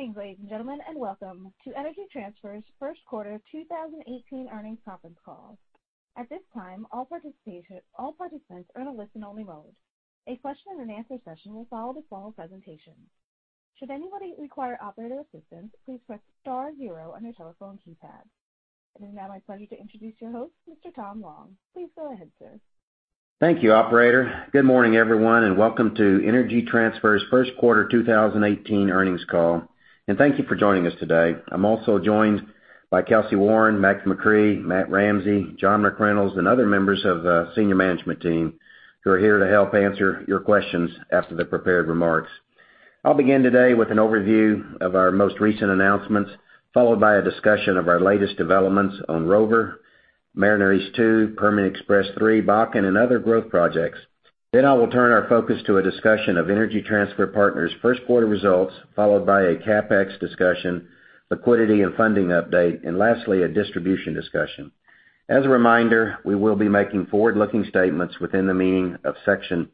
Good evening, ladies and gentlemen, and welcome to Energy Transfer's first quarter 2018 earnings conference call. At this time, all participants are in a listen-only mode. A question and answer session will follow the formal presentation. Should anybody require operator assistance, please press star zero on your telephone keypad. It is now my pleasure to introduce your host, Mr. Tom Long. Please go ahead, sir. Thank you, operator. Good morning, everyone, and welcome to Energy Transfer's first quarter 2018 earnings call. Thank you for joining us today. I am also joined by Kelcy Warren, Mackie McCrea, Matt Ramsey, John McReynolds, and other members of the senior management team who are here to help answer your questions after the prepared remarks. I will begin today with an overview of our most recent announcements, followed by a discussion of our latest developments on Rover, Mariner East 2, Permian Express 3, Bakken, and other growth projects. Then I will turn our focus to a discussion of Energy Transfer Partners' first quarter results, followed by a CapEx discussion, liquidity and funding update, and lastly, a distribution discussion. As a reminder, we will be making forward-looking statements within the meaning of Section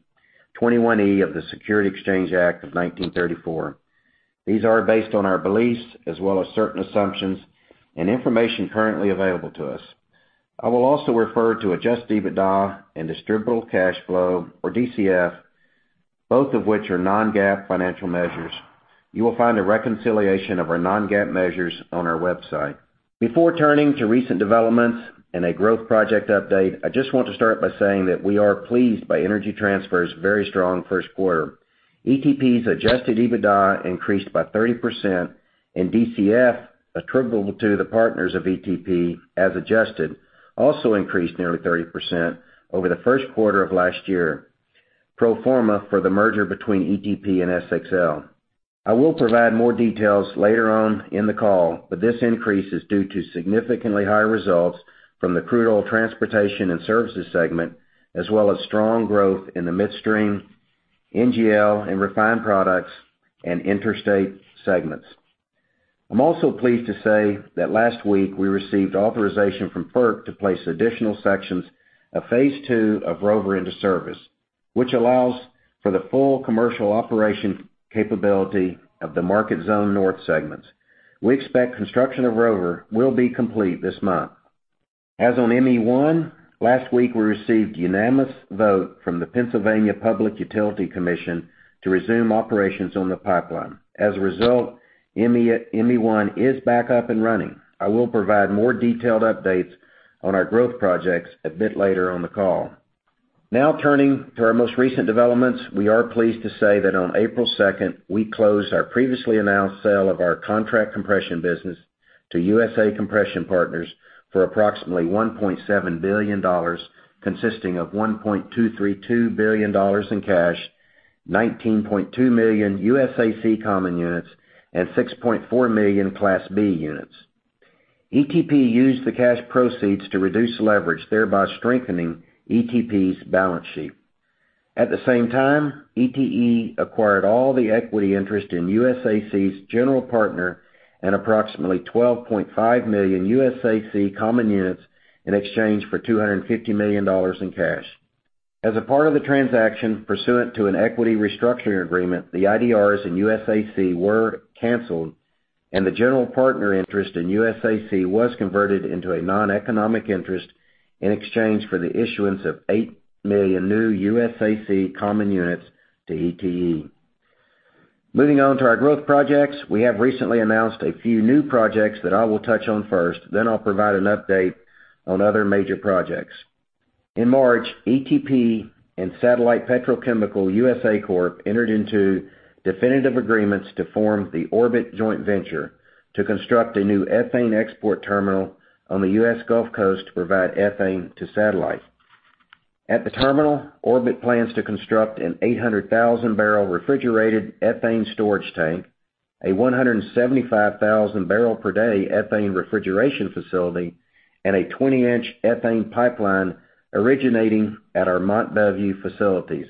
21E of the Securities Exchange Act of 1934. These are based on our beliefs as well as certain assumptions and information currently available to us. I will also refer to Adjusted EBITDA and distributable cash flow or DCF, both of which are non-GAAP financial measures. You will find a reconciliation of our non-GAAP measures on our website. Before turning to recent developments and a growth project update, I just want to start by saying that we are pleased by Energy Transfer's very strong first quarter. ETP's Adjusted EBITDA increased by 30%, and DCF attributable to the partners of ETP as adjusted also increased nearly 30% over the first quarter of last year, pro forma for the merger between ETP and SXL. I will provide more details later on in the call, but this increase is due to significantly higher results from the crude oil transportation and services segment, as well as strong growth in the midstream, NGL and refined products, and interstate segments. I am also pleased to say that last week we received authorization from FERC to place additional sections of phase two of Rover into service, which allows for the full commercial operation capability of the Market Zone North segments. We expect construction of Rover will be complete this month. As on ME1, last week, we received unanimous vote from the Pennsylvania Public Utility Commission to resume operations on the pipeline. As a result, ME1 is back up and running. I will provide more detailed updates on our growth projects a bit later on the call. Now turning to our most recent developments, we are pleased to say that on April 2nd, we closed our previously announced sale of our contract compression business to USA Compression Partners for approximately $1.7 billion, consisting of $1.232 billion in cash, 19.2 million USAC common units, and 6.4 million Class B units. ETP used the cash proceeds to reduce leverage, thereby strengthening ETP's balance sheet. At the same time, ETE acquired all the equity interest in USAC's general partner and approximately 12.5 million USAC common units in exchange for $250 million in cash. As a part of the transaction, pursuant to an equity restructuring agreement, the IDRs in USAC were canceled, and the general partner interest in USAC was converted into a non-economic interest in exchange for the issuance of 8 million new USAC common units to ETE. Moving on to our growth projects. We have recently announced a few new projects that I will touch on first. I'll provide an update on other major projects. In March, ETP and Satellite Petrochemical USA Corp entered into definitive agreements to form the Orbit joint venture to construct a new ethane export terminal on the U.S. Gulf Coast to provide ethane to Satellite. At the terminal, Orbit plans to construct an 800,000-barrel refrigerated ethane storage tank, a 175,000-barrel-per-day ethane refrigeration facility, and a 20-inch ethane pipeline originating at our Mont Belvieu facilities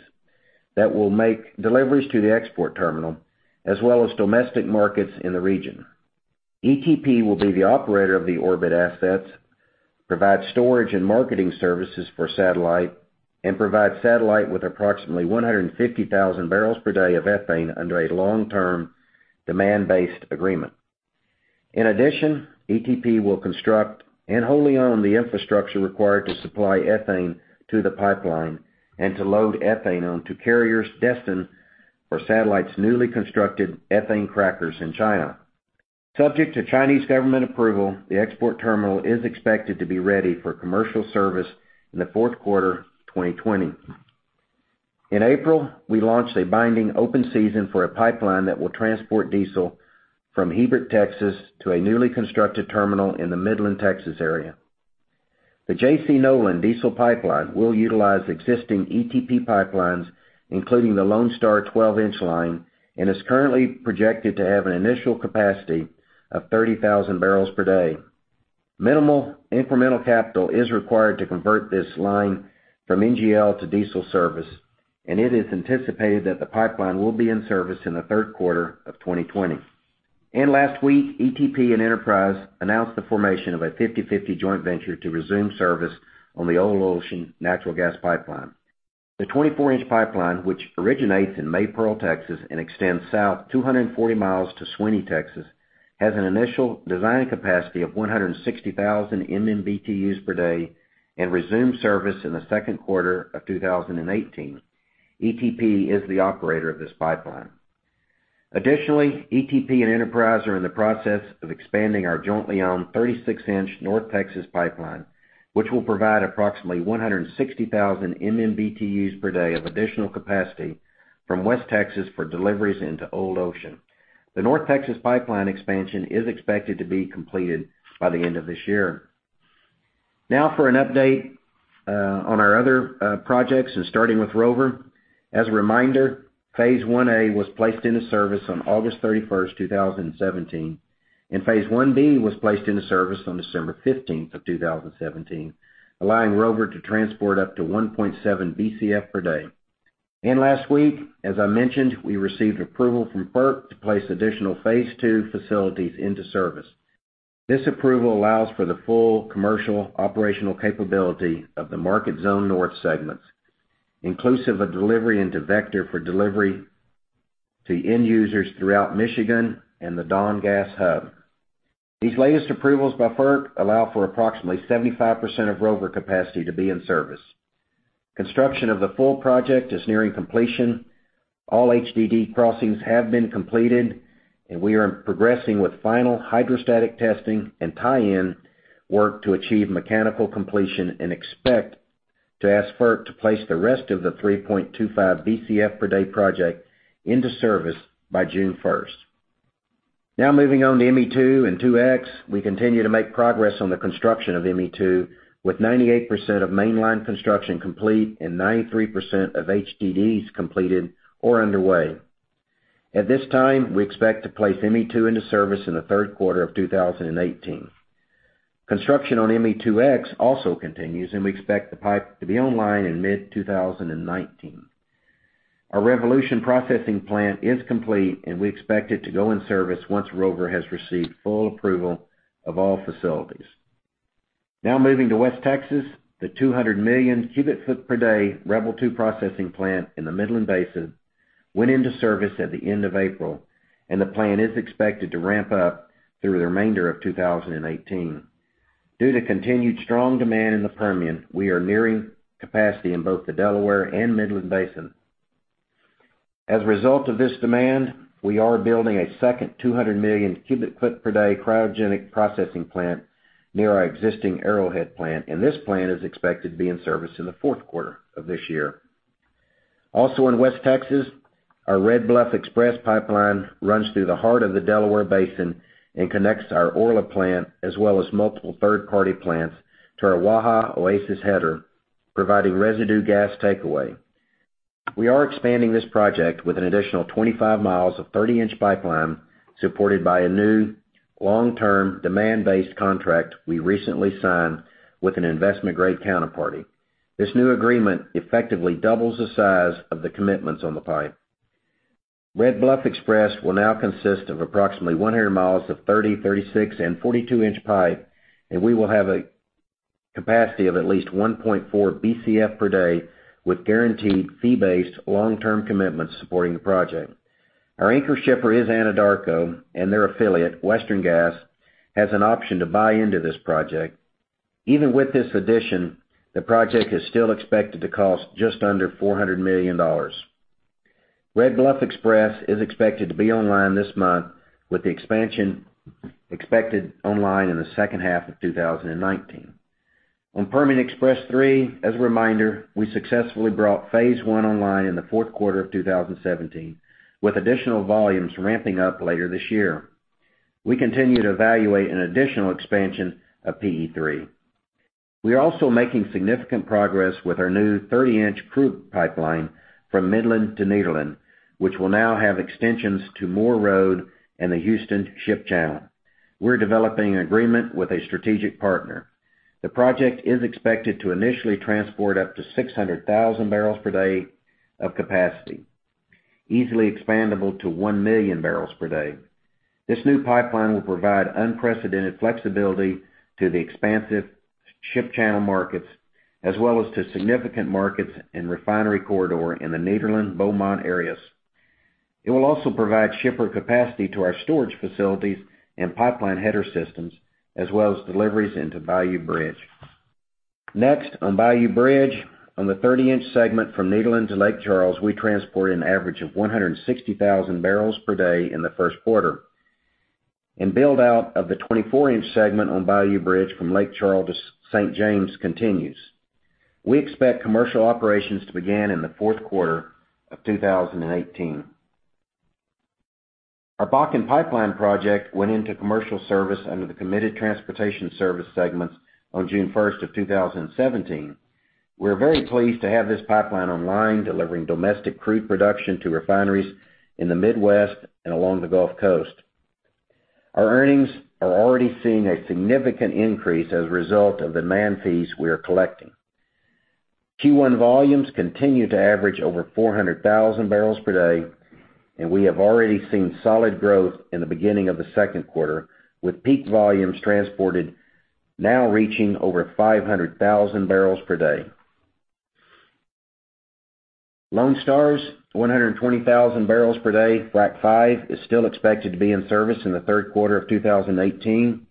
that will make deliveries to the export terminal as well as domestic markets in the region. ETP will be the operator of the Orbit assets, provide storage and marketing services for Satellite, and provide Satellite with approximately 150,000 barrels per day of ethane under a long-term demand-based agreement. In addition, ETP will construct and wholly own the infrastructure required to supply ethane to the pipeline and to load ethane onto carriers destined for Satellite's newly constructed ethane crackers in China. Subject to Chinese government approval, the export terminal is expected to be ready for commercial service in the fourth quarter 2020. In April, we launched a binding open season for a pipeline that will transport diesel from Hebert, Texas, to a newly constructed terminal in the Midland, Texas, area. The J.C. Nolan diesel pipeline will utilize existing ETP pipelines, including the Lone Star 12-inch line, and is currently projected to have an initial capacity of 30,000 barrels per day. Minimal incremental capital is required to convert this line from NGL to diesel service. It is anticipated that the pipeline will be in service in the third quarter of 2020. Last week, ETP and Enterprise announced the formation of a 50/50 joint venture to resume service on the Old Ocean natural gas pipeline. The 24-inch pipeline, which originates in Maypearl, Texas, and extends south 240 miles to Sweeny, Texas, has an initial design capacity of 160,000 MMBtu per day and resumed service in the second quarter of 2018. ETP is the operator of this pipeline. Additionally, ETP and Enterprise are in the process of expanding our jointly owned 36-inch North Texas pipeline, which will provide approximately 160,000 MMBtu per day of additional capacity from West Texas for deliveries into Old Ocean. The North Texas pipeline expansion is expected to be completed by the end of this year. Now for an update on our other projects and starting with Rover. As a reminder, Phase 1A was placed into service on August 31st, 2017, and Phase 1B was placed into service on December 15th of 2017, allowing Rover to transport up to 1.7 BCF per day. Last week, as I mentioned, we received approval from FERC to place additional Phase 2 facilities into service. This approval allows for the full commercial operational capability of the Market Zone North segments, inclusive of delivery into Vector for delivery to end users throughout Michigan and the Dawn Gas Hub. These latest approvals by FERC allow for approximately 75% of Rover capacity to be in service. Construction of the full project is nearing completion. All HDD crossings have been completed, and we are progressing with final hydrostatic testing and tie-in work to achieve mechanical completion and expect to ask FERC to place the rest of the 3.25 BCF per day project into service by June 1st. Moving on to ME2 and 2X. We continue to make progress on the construction of ME2, with 98% of mainline construction complete and 93% of HDDs completed or underway. At this time, we expect to place ME2 into service in the third quarter of 2018. Construction on ME2X also continues, and we expect the pipe to be online in mid-2019. Our Revolution Plant is complete, and we expect it to go in service once Rover has received full approval of all facilities. Moving to West Texas. The 200 million cubic foot per day Rebel II processing plant in the Midland Basin went into service at the end of April, and the plant is expected to ramp up through the remainder of 2018. Due to continued strong demand in the Permian, we are nearing capacity in both the Delaware and Midland Basin. As a result of this demand, we are building a second 200 million cubic foot per day cryogenic processing plant near our existing Arrowhead plant, and this plant is expected to be in service in the fourth quarter of this year. Also in West Texas, our Red Bluff Express Pipeline runs through the heart of the Delaware Basin and connects our Orla plant, as well as multiple third-party plants, to our Waha Oasis header, providing residue gas takeaway. We are expanding this project with an additional 25 miles of 30-inch pipeline supported by a new long-term demand-based contract we recently signed with an investment-grade counterparty. This new agreement effectively doubles the size of the commitments on the pipe. Red Bluff Express will now consist of approximately 100 miles of 30, 36, and 42-inch pipe, and we will have a capacity of at least 1.4 BCF per day with guaranteed fee-based long-term commitments supporting the project. Our anchor shipper is Anadarko, and their affiliate, Western Gas, has an option to buy into this project. Even with this addition, the project is still expected to cost just under $400 million. Red Bluff Express is expected to be online this month with the expansion expected online in the second half of 2019. On Permian Express 3, as a reminder, we successfully brought phase 1 online in the 4th quarter of 2017, with additional volumes ramping up later this year. We continue to evaluate an additional expansion of PE3. We are also making significant progress with our new 30-inch crude pipeline from Midland to Nederland, which will now have extensions to Moore Road and the Houston Ship Channel. We're developing an agreement with a strategic partner. The project is expected to initially transport up to 600,000 barrels per day of capacity, easily expandable to 1 million barrels per day. This new pipeline will provide unprecedented flexibility to the expansive Ship Channel markets as well as to significant markets and refinery corridor in the Nederland-Beaumont areas. It will also provide shipper capacity to our storage facilities and pipeline header systems as well as deliveries into Bayou Bridge. Next, on Bayou Bridge, on the 30-inch segment from Nederland to Lake Charles, we transported an average of 160,000 barrels per day in the 1st quarter. Build-out of the 24-inch segment on Bayou Bridge from Lake Charles to St. James continues. We expect commercial operations to begin in the 4th quarter of 2018. Our Bakken Pipeline project went into commercial service under the committed transportation service segments on June 1st, 2017. We're very pleased to have this pipeline online, delivering domestic crude production to refineries in the Midwest and along the Gulf Coast. Our earnings are already seeing a significant increase as a result of the demand fees we are collecting. Q1 volumes continue to average over 400,000 barrels per day. We have already seen solid growth in the beginning of the 2nd quarter, with peak volumes transported now reaching over 500,000 barrels per day. Lone Star's 120,000 barrels per day Frac Five is still expected to be in service in the 3rd quarter of 2018.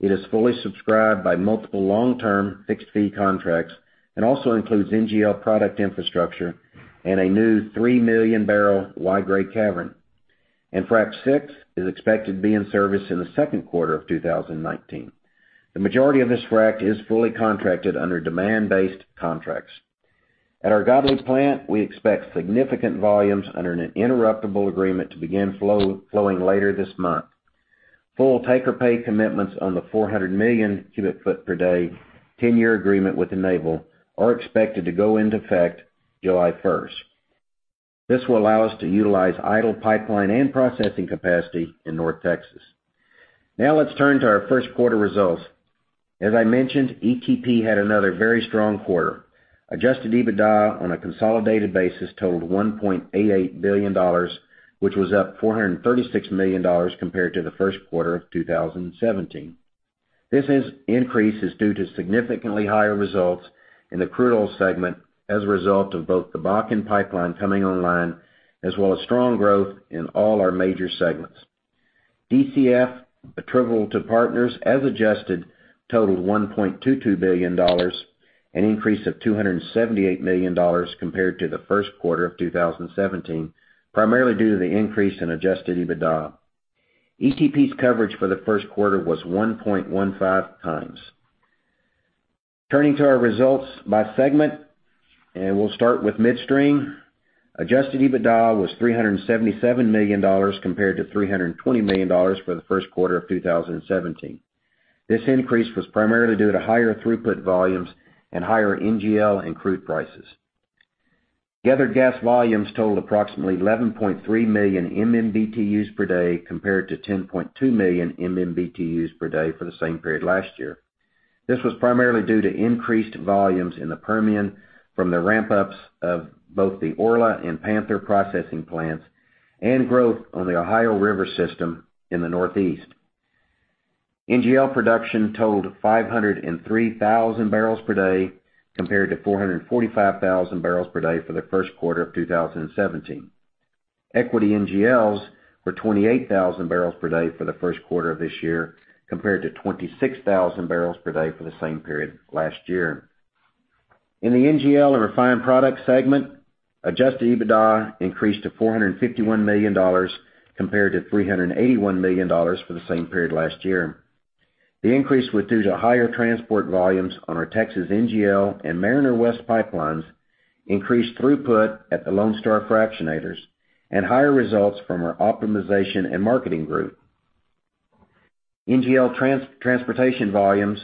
It is fully subscribed by multiple long-term fixed-fee contracts, and also includes NGL product infrastructure and a new 3 million barrel Y-grade cavern. Frac Six is expected to be in service in the 2nd quarter of 2019. The majority of this frac is fully contracted under demand-based contracts. At our Godley Plant, we expect significant volumes under an interruptible agreement to begin flowing later this month. Full take-or-pay commitments on the 400 million cubic foot per day, 10-year agreement with Enable are expected to go into effect July 1st. This will allow us to utilize idle pipeline and processing capacity in North Texas. Now let's turn to our 1st quarter results. As I mentioned, ETP had another very strong quarter. Adjusted EBITDA on a consolidated basis totaled $1.88 billion, which was up $436 million compared to the 1st quarter of 2017. This increase is due to significantly higher results in the crude oil segment as a result of both the Bakken Pipeline coming online, as well as strong growth in all our major segments. DCF attributable to partners as adjusted totaled $1.22 billion, an increase of $278 million compared to the 1st quarter of 2017, primarily due to the increase in Adjusted EBITDA. ETP's coverage for the 1st quarter was 1.15 times. Turning to our results by segment, and we'll start with Midstream. Adjusted EBITDA was $377 million, compared to $320 million for the 1st quarter of 2017. This increase was primarily due to higher throughput volumes and higher NGL and crude prices. Gathered gas volumes totaled approximately 11.3 million MMBtus per day, compared to 10.2 million MMBtus per day for the same period last year. This was primarily due to increased volumes in the Permian from the ramp-ups of both the Orla and Panther Processing Plants and growth on the Ohio River system in the Northeast. NGL production totaled 503,000 barrels per day compared to 445,000 barrels per day for the first quarter of 2017. Equity NGLs were 28,000 barrels per day for the first quarter of this year, compared to 26,000 barrels per day for the same period last year. In the NGL and refined products segment, Adjusted EBITDA increased to $451 million, compared to $381 million for the same period last year. The increase was due to higher transport volumes on our Texas NGL and Mariner West Pipelines, increased throughput at the Lone Star fractionators, and higher results from our optimization and marketing group. NGL transportation volumes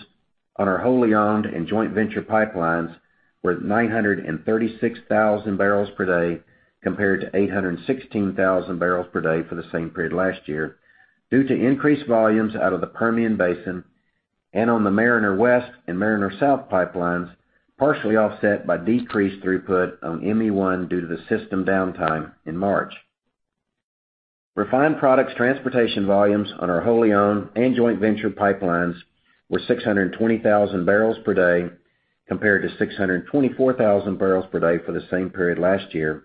on our wholly owned and joint venture pipelines were 936,000 barrels per day compared to 816,000 barrels per day for the same period last year, due to increased volumes out of the Permian Basin and on the Mariner West and Mariner South Pipelines, partially offset by decreased throughput on ME1 due to the system downtime in March. Refined products transportation volumes on our wholly owned and joint venture pipelines were 620,000 barrels per day compared to 624,000 barrels per day for the same period last year,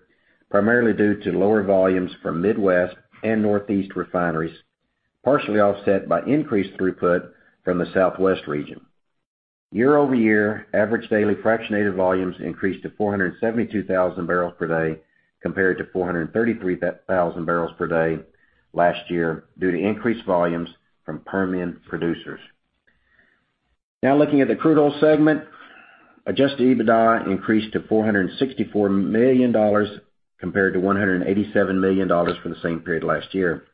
primarily due to lower volumes from Midwest and Northeast refineries, partially offset by increased throughput from the Southwest region. Year-over-year, average daily fractionator volumes increased to 472,000 barrels per day compared to 433,000 barrels per day last year due to increased volumes from Permian producers. Now looking at the crude oil segment, Adjusted EBITDA increased to $464 million compared to $187 million for the same period last year.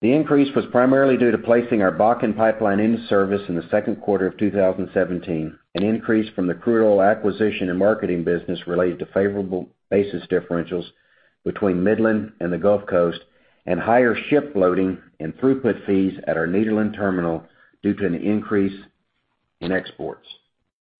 The increase was primarily due to placing our Bakken Pipeline into service in the second quarter of 2017, an increase from the crude oil acquisition and marketing business related to favorable basis differentials between Midland and the Gulf Coast, and higher ship loading and throughput fees at our Nederland Terminal due to an increase in exports.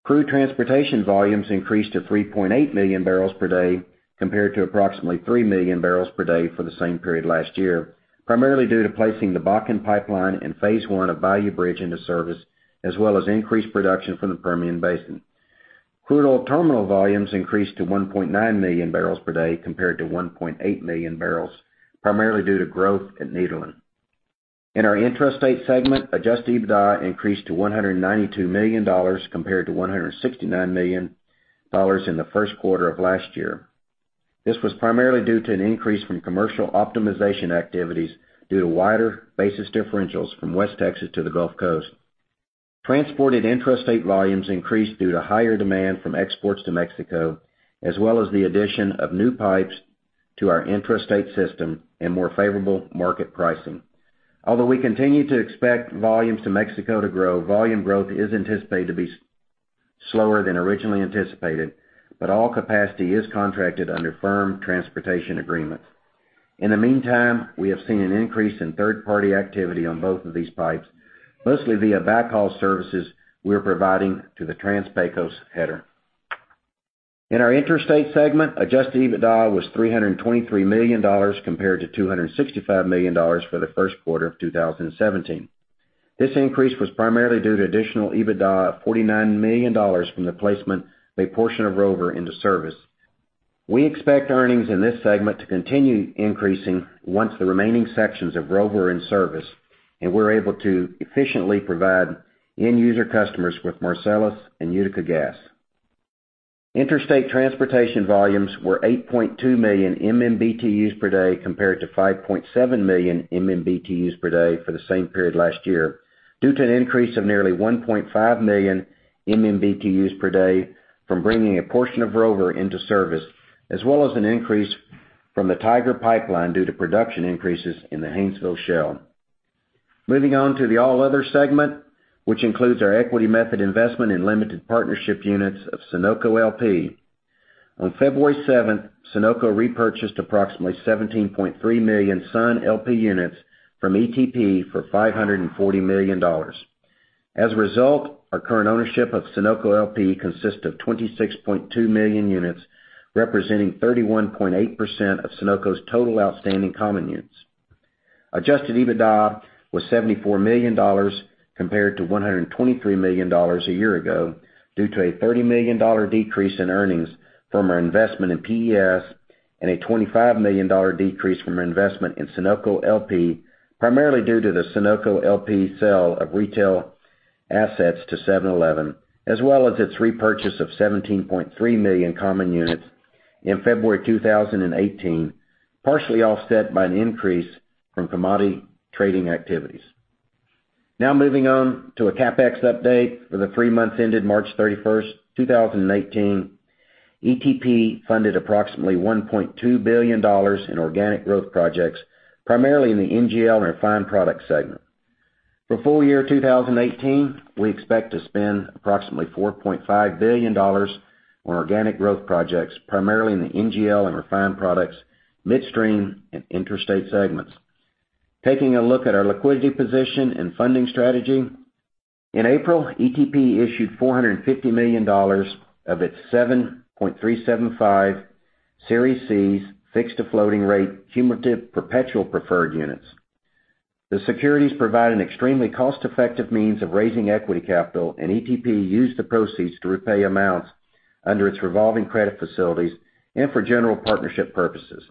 Crude transportation volumes increased to 3.8 million barrels per day compared to approximately 3 million barrels per day for the same period last year, primarily due to placing the Bakken Pipeline and phase 1 of Bayou Bridge into service, as well as increased production from the Permian Basin. Crude oil terminal volumes increased to 1.9 million barrels per day compared to 1.8 million barrels, primarily due to growth at Nederland. In our intrastate segment, Adjusted EBITDA increased to $192 million compared to $169 million in the first quarter of last year. This was primarily due to an increase from commercial optimization activities due to wider basis differentials from West Texas to the Gulf Coast. Transported intrastate volumes increased due to higher demand from exports to Mexico, as well as the addition of new pipes to our intrastate system and more favorable market pricing. Although we continue to expect volumes to Mexico to grow, volume growth is anticipated to be slower than originally anticipated, but all capacity is contracted under firm transportation agreements. In the meantime, we have seen an increase in third-party activity on both of these pipes, mostly via backhaul services we're providing to the Trans-Pecos header. In our interstate segment, Adjusted EBITDA was $323 million compared to $265 million for the first quarter of 2017. This increase was primarily due to additional EBITDA of $49 million from the placement of a portion of Rover into service. We expect earnings in this segment to continue increasing once the remaining sections of Rover are in service, and we're able to efficiently provide end user customers with Marcellus and Utica Gas. Interstate transportation volumes were 8.2 million MMBtus per day, compared to 5.7 million MMBtus per day for the same period last year, due to an increase of nearly 1.5 million MMBtus per day from bringing a portion of Rover into service, as well as an increase from the Tiger Pipeline due to production increases in the Haynesville Shale. Moving on to the all other segment, which includes our equity method investment in limited partnership units of Sunoco LP. On February 7th, Sunoco repurchased approximately 17.3 million Sun LP units from ETP for $540 million. As a result, our current ownership of Sunoco LP consists of 26.2 million units, representing 31.8% of Sunoco's total outstanding common units. Adjusted EBITDA was $74 million compared to $123 million a year ago, due to a $30 million decrease in earnings from our investment in PES and a $25 million decrease from our investment in Sunoco LP, primarily due to the Sunoco LP sale of retail assets to 7-Eleven, as well as its repurchase of 17.3 million common units in February 2018, partially offset by an increase from commodity trading activities. Moving on to a CapEx update for the three months ended March 31st, 2018, ETP funded approximately $1.2 billion in organic growth projects, primarily in the NGL and refined products segment. For full year 2018, we expect to spend approximately $4.5 billion on organic growth projects, primarily in the NGL and refined products, midstream and interstate segments. Taking a look at our liquidity position and funding strategy. In April, ETP issued $450 million of its 7.375 Series C Fixed-to-Floating Rate Cumulative Perpetual Preferred Units. The securities provide an extremely cost-effective means of raising equity capital. ETP used the proceeds to repay amounts under its revolving credit facilities and for general partnership purposes.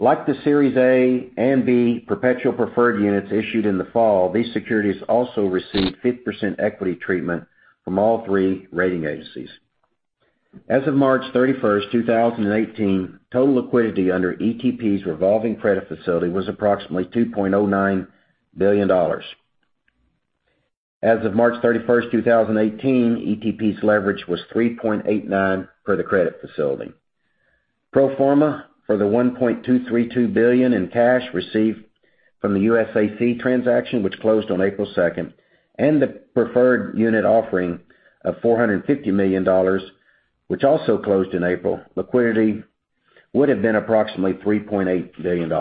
Like the Series A and B Perpetual Preferred Units issued in the fall, these securities also received 50% equity treatment from all three rating agencies. As of March 31st, 2018, total liquidity under ETP's revolving credit facility was approximately $2.09 billion. As of March 31st, 2018, ETP's leverage was 3.89 for the credit facility. Pro forma for the $1.232 billion in cash received from the USAC transaction, which closed on April 2nd, and the preferred unit offering of $450 million, which also closed in April, liquidity would've been approximately $3.8 billion.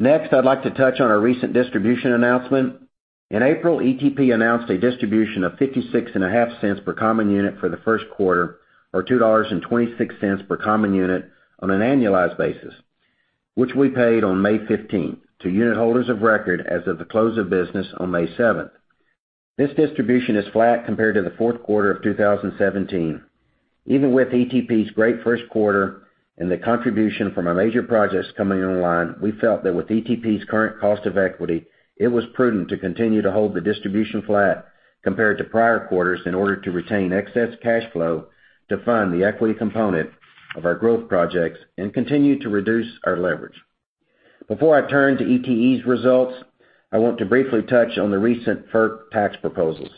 Next, I'd like to touch on our recent distribution announcement. In April, ETP announced a distribution of $0.565 per common unit for the first quarter, or $2.26 per common unit on an annualized basis, which we paid on May 15th to unitholders of record as of the close of business on May 7th. This distribution is flat compared to the fourth quarter of 2017. Even with ETP's great first quarter and the contribution from our major projects coming online, we felt that with ETP's current cost of equity, it was prudent to continue to hold the distribution flat compared to prior quarters in order to retain excess cash flow to fund the equity component of our growth projects and continue to reduce our leverage. Before I turn to ETE's results, I want to briefly touch on the recent FERC tax proposals.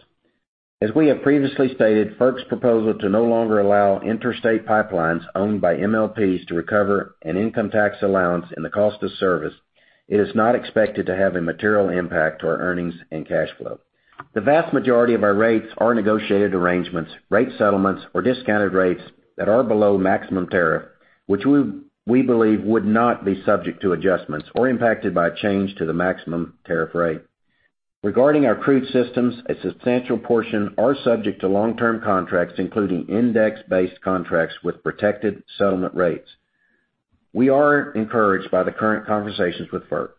As we have previously stated, FERC's proposal to no longer allow interstate pipelines owned by MLPs to recover an income tax allowance in the cost of service is not expected to have a material impact to our earnings and cash flow. The vast majority of our rates are negotiated arrangements, rate settlements, or discounted rates that are below maximum tariff, which we believe would not be subject to adjustments or impacted by a change to the maximum tariff rate. Regarding our crude systems, a substantial portion are subject to long-term contracts, including index-based contracts with protected settlement rates. We are encouraged by the current conversations with FERC.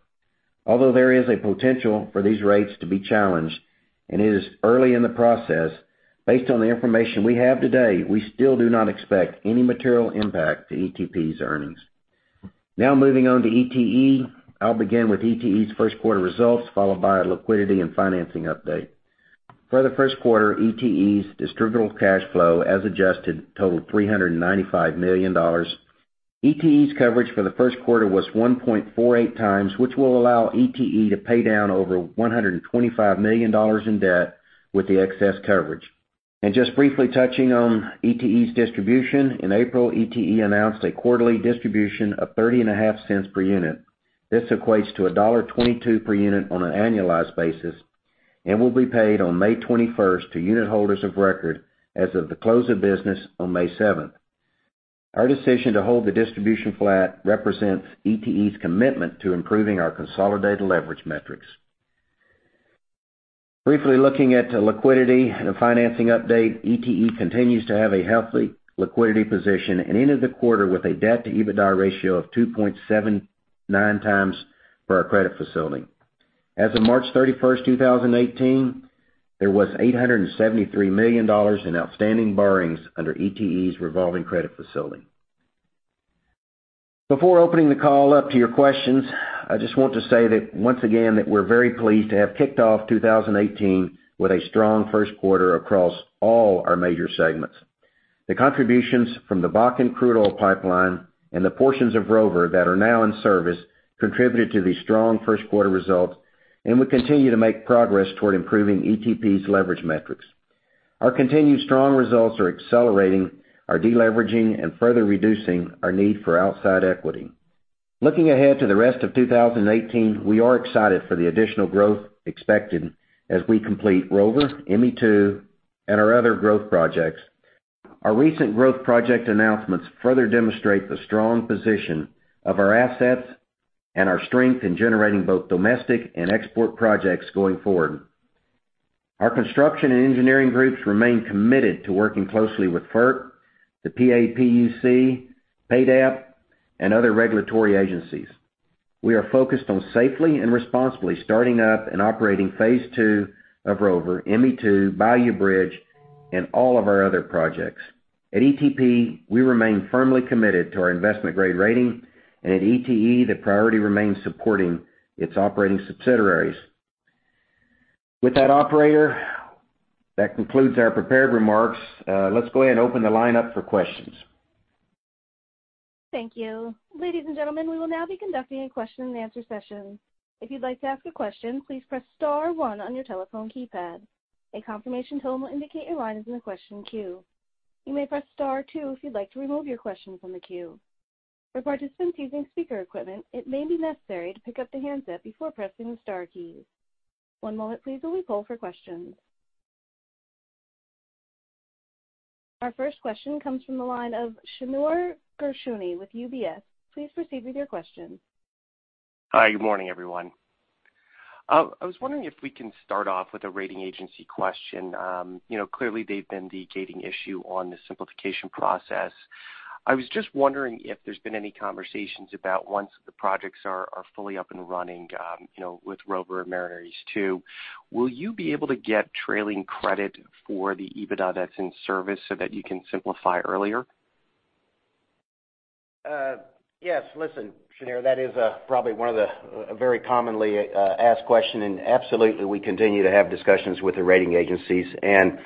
Although there is a potential for these rates to be challenged and it is early in the process, based on the information we have today, we still do not expect any material impact to ETP's earnings. Moving on to ETE. I'll begin with ETE's first quarter results, followed by a liquidity and financing update. For the first quarter, ETE's distributable cash flow, as adjusted, totaled $395 million. ETE's coverage for the first quarter was 1.48 times, which will allow ETE to pay down over $125 million in debt with the excess coverage. Just briefly touching on ETE's distribution, in April, ETE announced a quarterly distribution of $0.305 per unit. This equates to $1.22 per unit on an annualized basis and will be paid on May 21st to unitholders of record as of the close of business on May 7th. Our decision to hold the distribution flat represents ETE's commitment to improving our consolidated leverage metrics. Briefly looking at liquidity and a financing update. ETE continues to have a healthy liquidity position and ended the quarter with a debt to EBITDA ratio of 2.79 times for our credit facility. As of March 31st, 2018, there was $873 million in outstanding borrowings under ETE's revolving credit facility. Before opening the call up to your questions, I just want to say that once again, that we're very pleased to have kicked off 2018 with a strong first quarter across all our major segments. The contributions from the Bakken Crude Oil Pipeline and the portions of Rover that are now in service contributed to the strong first quarter results. We continue to make progress toward improving ETP's leverage metrics. Our continued strong results are accelerating our de-leveraging and further reducing our need for outside equity. Looking ahead to the rest of 2018, we are excited for the additional growth expected as we complete Rover, ME2, and our other growth projects. Our recent growth project announcements further demonstrate the strong position of our assets and our strength in generating both domestic and export projects going forward. Our construction and engineering groups remain committed to working closely with FERC, the PAPUC, PaDEP, and other regulatory agencies. We are focused on safely and responsibly starting up and operating phase 2 of Rover, ME2, Bayou Bridge, and all of our other projects. At ETP, we remain firmly committed to our investment-grade rating, and at ETE, the priority remains supporting its operating subsidiaries. With that, operator, that concludes our prepared remarks. Let's go ahead and open the line up for questions. Thank you. Ladies and gentlemen, we will now be conducting a question and answer session. If you'd like to ask a question, please press star 1 on your telephone keypad. A confirmation tone will indicate your line is in the question queue. You may press star 2 if you'd like to remove your question from the queue. For participants using speaker equipment, it may be necessary to pick up the handset before pressing the star keys. One moment please while we poll for questions. Our first question comes from the line of Shneur Gershuni with UBS. Please proceed with your question. Hi, good morning, everyone. I was wondering if we can start off with a rating agency question. Clearly, they've been the gating issue on the simplification process. I was just wondering if there's been any conversations about once the projects are fully up and running, with Rover and Mariner East 2, will you be able to get trailing credit for the EBITDA that's in service so that you can simplify earlier? Yes. Listen, Shneur, that is probably one of the very commonly asked question. Absolutely, we continue to have discussions with the rating agencies, and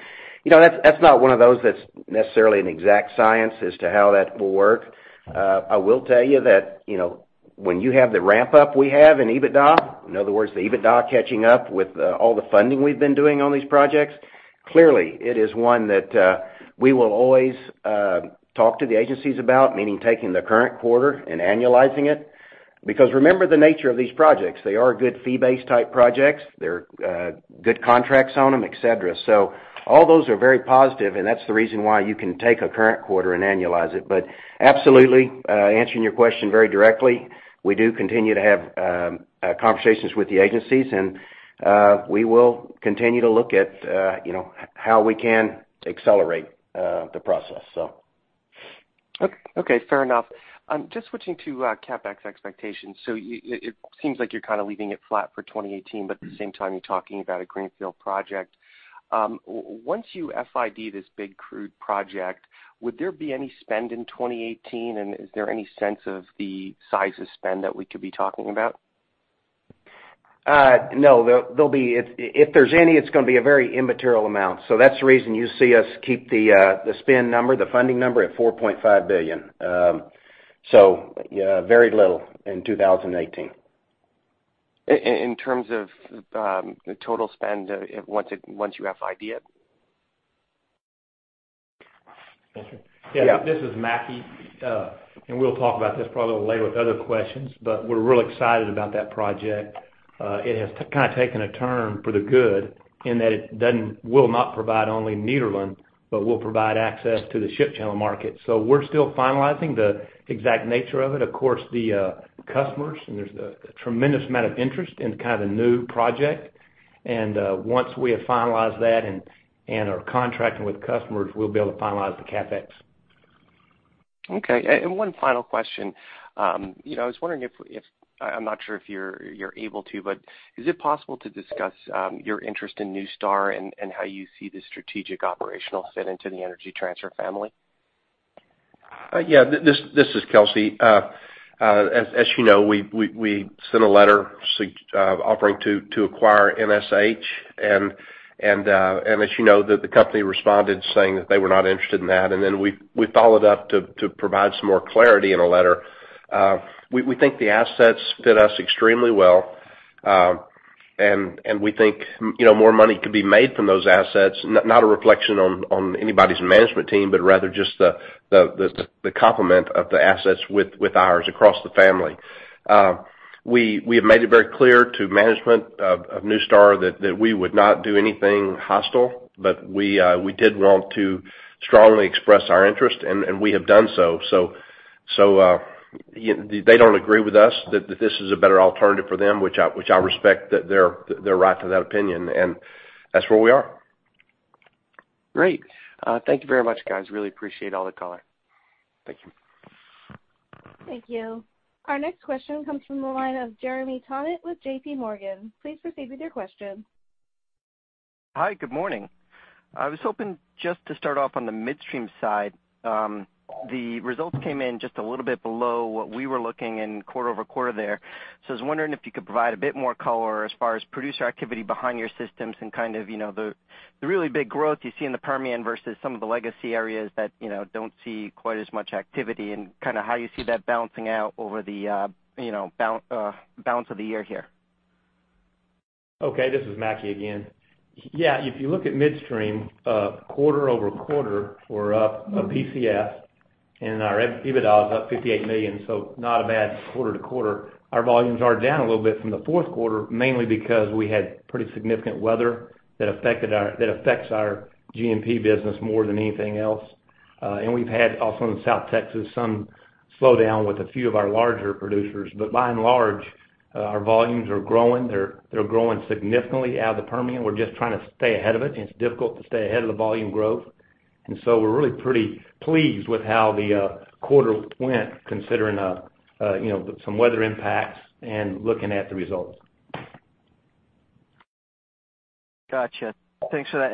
that's not one of those that's necessarily an exact science as to how that will work. I will tell you that, when you have the ramp-up we have in EBITDA, in other words, the EBITDA catching up with all the funding we've been doing on these projects, clearly it is one that we will always talk to the agencies about, meaning taking the current quarter and annualizing it. Remember the nature of these projects. They are good fee-based type projects. They're good contracts on them, et cetera. All those are very positive, and that's the reason why you can take a current quarter and annualize it. Absolutely, answering your question very directly, we do continue to have conversations with the agencies, and we will continue to look at how we can accelerate the process. Okay, fair enough. Just switching to CapEx expectations. It seems like you're kind of leaving it flat for 2018, but at the same time, you're talking about a greenfield project. Once you FID this big crude project, would there be any spend in 2018, and is there any sense of the size of spend that we could be talking about? No. If there's any, it's going to be a very immaterial amount. That's the reason you see us keep the spend number, the funding number at $4.5 billion. Very little in 2018. In terms of the total spend once you have FID it? Yes, sir. Yeah. This is Mackie. We'll talk about this probably a little later with other questions, but we're real excited about that project. It has kind of taken a turn for the good in that it will not provide only Nederland, but will provide access to the Ship Channel market. We're still finalizing the exact nature of it. Of course, the customers, and there's a tremendous amount of interest in kind of the new project, and once we have finalized that and are contracting with customers, we'll be able to finalize the CapEx. Okay. One final question. I was wondering if I'm not sure if you're able to, but is it possible to discuss your interest in NuStar and how you see the strategic operational fit into the Energy Transfer family? Yeah. This is Kelcy. As you know, we sent a letter offering to acquire NSH, and as you know, the company responded saying that they were not interested in that, and then we followed up to provide some more clarity in a letter. We think the assets fit us extremely well, and we think more money could be made from those assets, not a reflection on anybody's management team, but rather just the complement of the assets with ours across the family. We have made it very clear to management of NuStar that we would not do anything hostile, but we did want to strongly express our interest, and we have done so. They don't agree with us that this is a better alternative for them, which I respect their right to that opinion, and that's where we are. Great. Thank you very much, guys. Really appreciate all the color. Thank you. Thank you. Our next question comes from the line of Jeremy Tonet with J.P. Morgan. Please proceed with your question. Hi, good morning. I was hoping just to start off on the midstream side. The results came in just a little bit below what we were looking in quarter-over-quarter there. I was wondering if you could provide a bit more color as far as producer activity behind your systems and kind of the really big growth you see in the Permian versus some of the legacy areas that don't see quite as much activity, and how you see that balancing out over the balance of the year here. Okay, this is Mackie again. If you look at midstream, quarter-over-quarter, we're up on PCS and our EBITDA was up $58 million, not a bad quarter-to-quarter. Our volumes are down a little bit from the fourth quarter, mainly because we had pretty significant weather that affects our G&P business more than anything else. We've had also in South Texas, some slowdown with a few of our larger producers. By and large, our volumes are growing. They're growing significantly out of the Permian. We're just trying to stay ahead of it, and it's difficult to stay ahead of the volume growth. We're really pretty pleased with how the quarter went, considering some weather impacts and looking at the results. Got you. Thanks for that.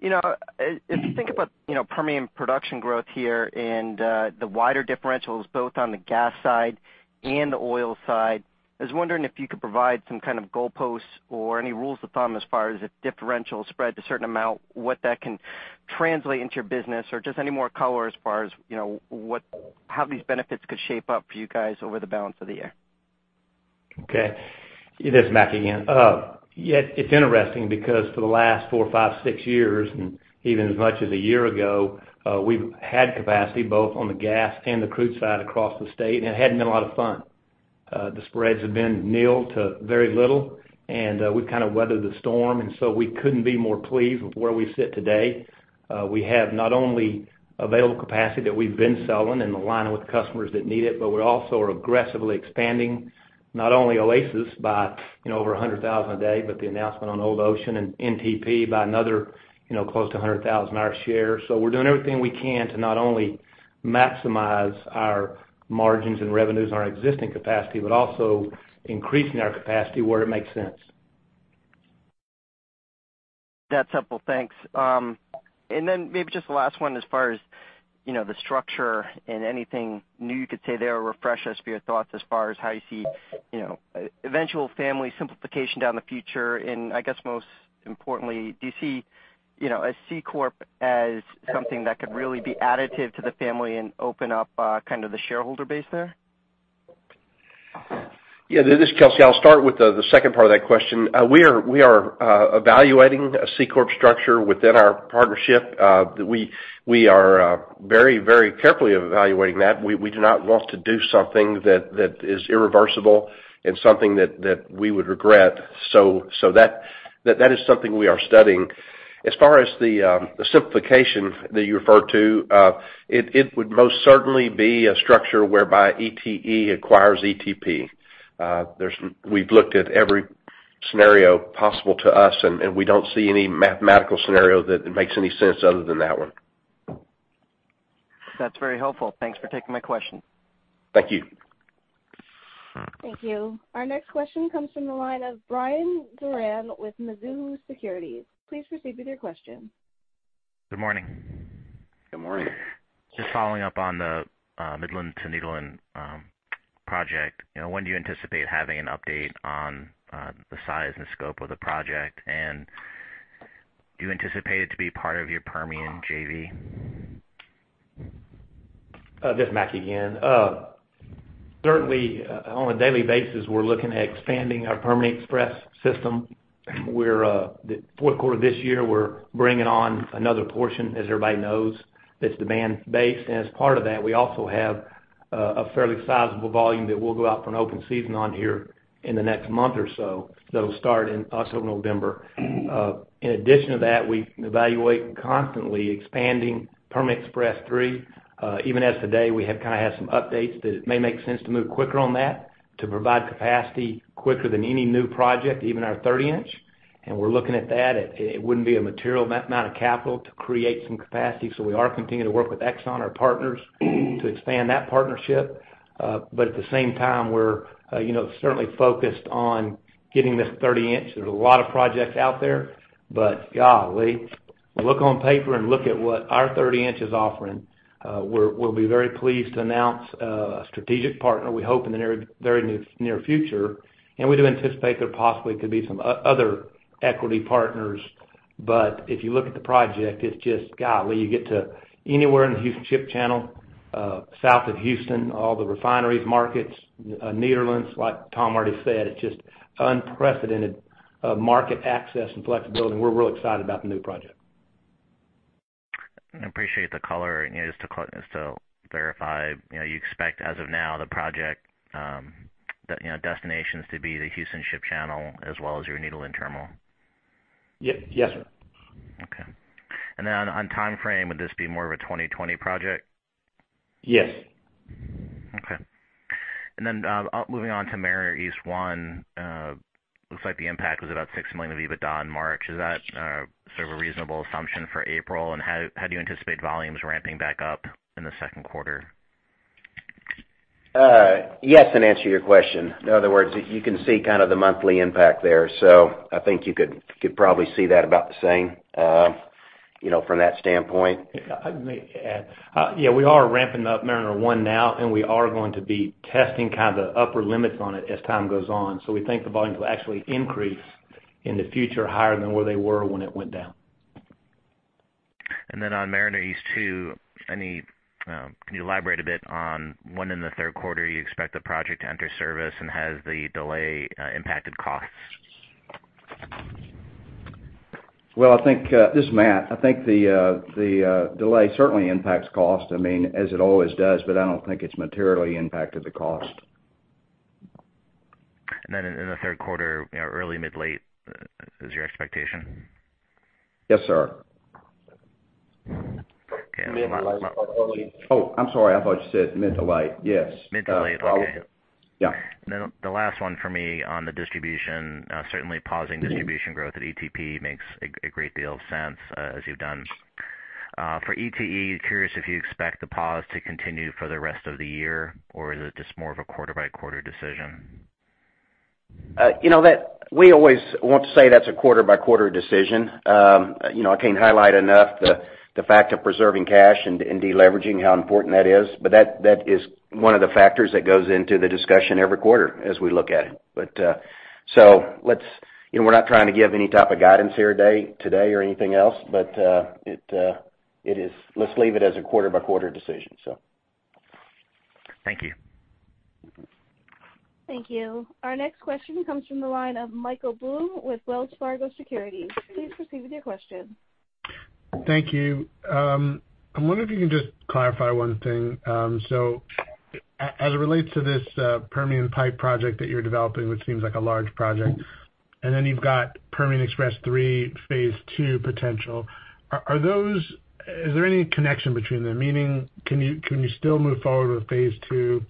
If you think about Permian production growth here and the wider differentials both on the gas side and the oil side, I was wondering if you could provide some kind of goalposts or any rules of thumb as far as if differentials spread to a certain amount, what that can translate into your business, or just any more color as far as how these benefits could shape up for you guys over the balance of the year. Okay. This is Mackie again. It's interesting because for the last four or five, six years, and even as much as a year ago, we've had capacity both on the gas and the crude side across the state, and it hadn't been a lot of fun. The spreads have been nil to very little, and we've kind of weathered the storm. We couldn't be more pleased with where we sit today. We have not only available capacity that we've been selling and aligning with customers that need it, but we also are aggressively expanding, not only Oasis by over 100,000 a day, but the announcement on Old Ocean and NTP by another close to 100,000 our share. We're doing everything we can to not only maximize our margins and revenues on our existing capacity, but also increasing our capacity where it makes sense. That's helpful. Thanks. Maybe just the last one as far as the structure and anything new you could say there, or refresh us for your thoughts as far as how you see eventual family simplification down the future. I guess most importantly, do you see a C corp as something that could really be additive to the family and open up kind of the shareholder base there? Yeah, this is Kelcy. I'll start with the second part of that question. We are evaluating a C corp structure within our partnership. We are very, very carefully evaluating that. We do not want to do something that is irreversible and something that we would regret. That is something we are studying. As far as the simplification that you referred to, it would most certainly be a structure whereby ETE acquires ETP. We've looked at every scenario possible to us, and we don't see any mathematical scenario that makes any sense other than that one. That's very helpful. Thanks for taking my question. Thank you. Thank you. Our next question comes from the line of Brian Duran with Mizuho Securities. Please proceed with your question. Good morning. Good morning. Just following up on the Midland to Nederland project. When do you anticipate having an update on the size and scope of the project? Do you anticipate it to be part of your Permian JV? This is Mackie again. Certainly, on a daily basis, we're looking at expanding our Permian Express system, where the fourth quarter of this year, we're bringing on another portion, as everybody knows, that's demand based. As part of that, we also have a fairly sizable volume that we'll go out for an open season on here in the next month or so. That'll start in October, November. In addition to that, we evaluate constantly expanding Permian Express 3. Even as of today, we have kind of had some updates that it may make sense to move quicker on that to provide capacity quicker than any new project, even our 30 inch. We're looking at that. It wouldn't be a material amount of capital to create some capacity. We are continuing to work with Exxon, our partners, to expand that partnership. At the same time, we're certainly focused on getting this 30-inch. There's a lot of projects out there, but golly, look on paper and look at what our 30-inch is offering. We'll be very pleased to announce a strategic partner, we hope in the very near future. We do anticipate there possibly could be some other equity partners. If you look at the project, it's just, golly, you get to anywhere in the Houston Ship Channel, south of Houston, all the refineries, markets, Nederland, like Tom already said, it's just unprecedented market access and flexibility, and we're real excited about the new project. I appreciate the color. Just to clarify, you expect as of now the project destinations to be the Houston Ship Channel as well as your Nederland Terminal? Yes, sir. Okay. Then on timeframe, would this be more of a 2020 project? Yes. Okay. Moving on to Mariner East 1, looks like the impact was about $6 million of Adjusted EBITDA in March. Is that sort of a reasonable assumption for April, and how do you anticipate volumes ramping back up in the second quarter? Yes, in answer to your question. In other words, you can see kind of the monthly impact there. I think you could probably see that about the same from that standpoint. Let me add. Yeah, we are ramping up Mariner East 1 now, and we are going to be testing kind of the upper limits on it as time goes on. We think the volumes will actually increase in the future higher than where they were when it went down. On Mariner East 2, can you elaborate a bit on when in the third quarter you expect the project to enter service, and has the delay impacted costs? Well, this is Mackie. I think the delay certainly impacts cost, I mean, as it always does, I don't think it's materially impacted the cost. In the third quarter, early mid-late is your expectation? Yes, sir. Okay. Mid to late, early. Oh, I'm sorry. I thought you said mid to late. Yes. Mid to late. Okay. Yeah. Then the last one for me on the distribution. Certainly pausing distribution growth at ETP makes a great deal of sense as you've done. For ETE, curious if you expect the pause to continue for the rest of the year, or is it just more of a quarter-by-quarter decision? We always want to say that's a quarter-by-quarter decision. I can't highlight enough the fact of preserving cash and de-leveraging, how important that is. That is one of the factors that goes into the discussion every quarter as we look at it. We're not trying to give any type of guidance here today or anything else, let's leave it as a quarter-by-quarter decision. Thank you. Thank you. Our next question comes from the line of Michael Blum with Wells Fargo Securities. Please proceed with your question. Thank you. I wonder if you can just clarify one thing. As it relates to this Permian Pipe project that you're developing, which seems like a large project, and then you've got Permian Express III Phase Two potential. Is there any connection between them? Meaning, can you still move forward with Phase Two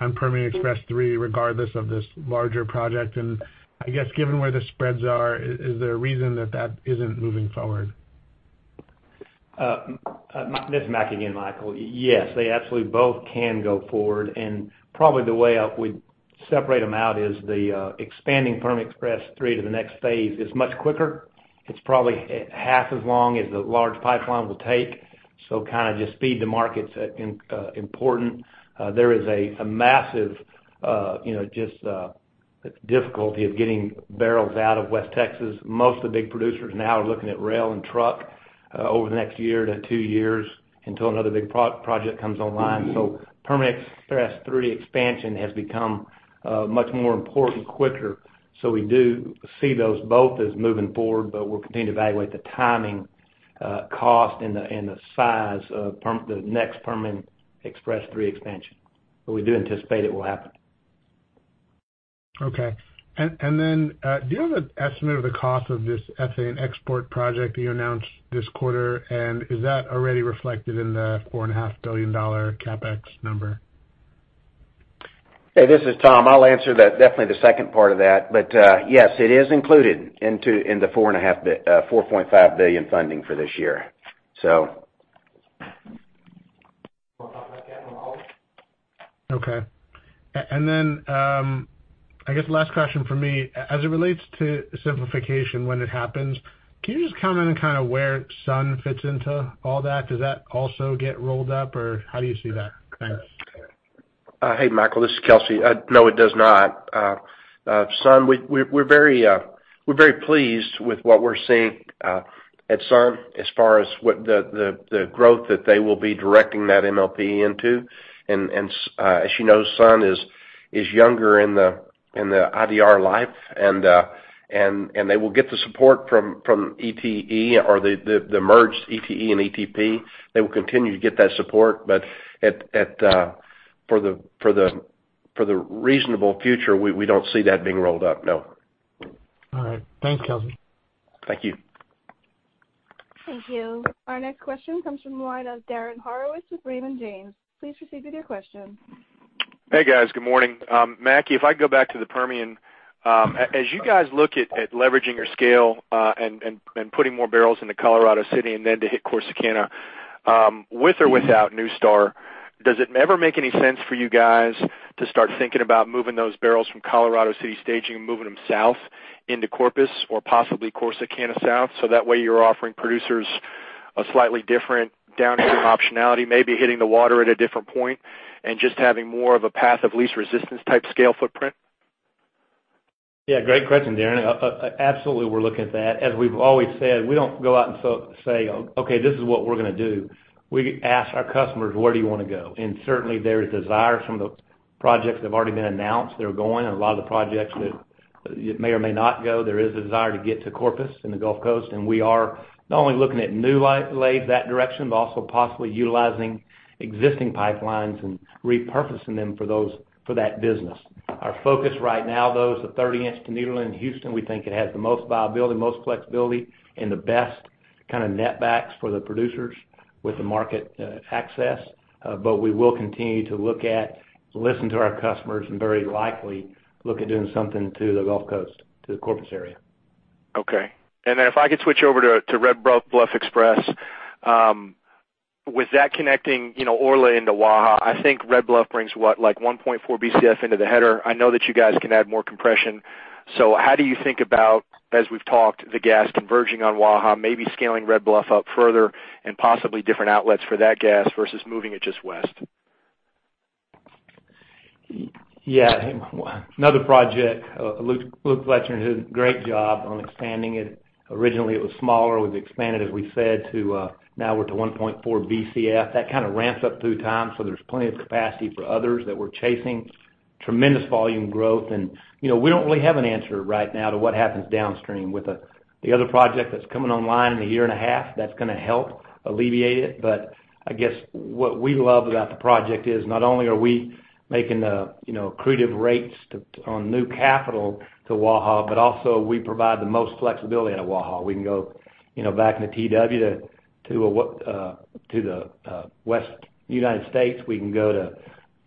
on Permian Express III regardless of this larger project? I guess given where the spreads are, is there a reason that that isn't moving forward? This is Mackie again, Michael. Yes, they absolutely both can go forward, and probably the way we'd separate them out is the expanding Permian Express III to the next phase is much quicker. It's probably half as long as the large pipeline will take. Kind of just speed to market's important. There is a massive just difficulty of getting barrels out of West Texas. Most of the big producers now are looking at rail and truck over the next year to two years until another big project comes online. Permian Express III expansion has become much more important quicker. We do see those both as moving forward, but we'll continue to evaluate the timing, cost, and the size of the next Permian Express III expansion. We do anticipate it will happen. Okay. Then, do you have an estimate of the cost of this ethane export project that you announced this quarter? Is that already reflected in the $4.5 billion CapEx number? Hey, this is Tom. I'll answer that, definitely the second part of that. Yes, it is included in the $4.5 billion funding for this year. We'll talk about that on the call. Okay. Then, I guess last question from me. As it relates to simplification when it happens, can you just comment on kind of where SUN fits into all that? Does that also get rolled up, or how do you see that? Thanks. Hey, Michael, this is Kelcy. No, it does not. SUN, we're very pleased with what we're seeing at SUN as far as what the growth that they will be directing that MLP into. As you know, SUN is younger in the IDR life, and they will get the support from ETE or the merged ETE and ETP. They will continue to get that support. For the reasonable future, we don't see that being rolled up, no. All right. Thanks, Kelcy. Thank you. Thank you. Our next question comes from the line of Darren Horowitz with Raymond James. Please proceed with your question. Hey, guys. Good morning. Mackie, if I could go back to the Permian. As you guys look at leveraging your scale, putting more barrels into Colorado City, then to hit Corsicana, with or without NuStar, does it ever make any sense for you guys to start thinking about moving those barrels from Colorado City staging and moving them south into Corpus or possibly Corsicana South? That way you're offering producers a slightly different downstream optionality, maybe hitting the water at a different point and just having more of a path of least resistance type scale footprint? Yeah, great question, Darren. Absolutely we're looking at that. As we've always said, we don't go out and say, "Okay, this is what we're going to do." We ask our customers, "Where do you want to go?" Certainly there is desire. Some of the projects have already been announced. They're going. A lot of the projects that may or may not go, there is a desire to get to Corpus and the Gulf Coast, and we are not only looking at new lays that direction, but also possibly utilizing existing pipelines and repurposing them for that business. Our focus right now, though, is the 30-inch to Nederland in Houston. We think it has the most viability, most flexibility, and the best kind of net backs for the producers with the market access. We will continue to look at, listen to our customers and very likely look at doing something to the Gulf Coast, to the Corpus area. Okay. If I could switch over to Red Bluff Express. With that connecting Orla into Waha, I think Red Bluff brings what, like 1.4 BCF into the header. I know that you guys can add more compression. How do you think about, as we've talked, the gas converging on Waha, maybe scaling Red Bluff up further and possibly different outlets for that gas versus moving it just west? Yeah. Another project. Luke Fletcher did a great job on expanding it. Originally it was smaller. We've expanded, as we said, now we're to 1.4 BCF. That kind of ramps up through time, so there's plenty of capacity for others that we're chasing. Tremendous volume growth, and we don't really have an answer right now to what happens downstream with the other project that's coming online in a year and a half that's going to help alleviate it. I guess what we love about the project is not only are we making accretive rates on new capital to Waha, but also we provide the most flexibility out of Waha. We can go back in the TW to the West U.S. We can go to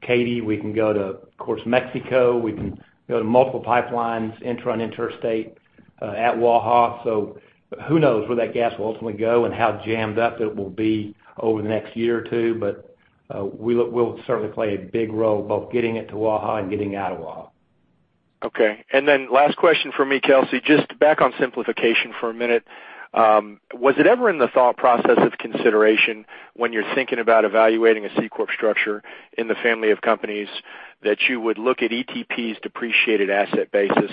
Katy. We can go to, of course, Mexico. We can go to multiple pipelines, intra and interstate at Waha. Who knows where that gas will ultimately go and how jammed up it will be over the next year or two. We'll certainly play a big role both getting it to Waha and getting out of Waha. Okay. Last question from me, Kelcy, just back on simplification for a minute. Was it ever in the thought process of consideration when you're thinking about evaluating a C corp structure in the family of companies that you would look at ETP's depreciated asset basis?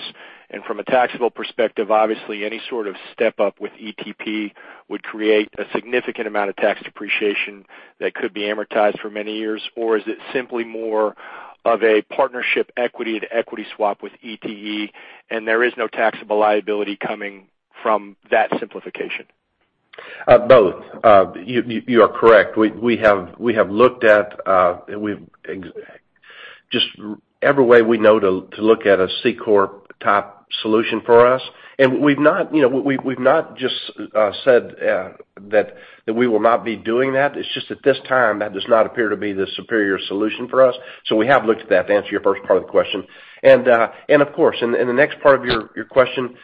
From a taxable perspective, obviously any sort of step-up with ETP would create a significant amount of tax depreciation that could be amortized for many years, or is it simply more of a partnership equity to equity swap with ETE, and there is no taxable liability coming from that simplification? Both. You are correct. We have looked at just every way we know to look at a C corp type solution for us, and we've not just said that we will not be doing that. It's just at this time, that does not appear to be the superior solution for us. We have looked at that, to answer your first part of the question. Of course, in the next part of your question,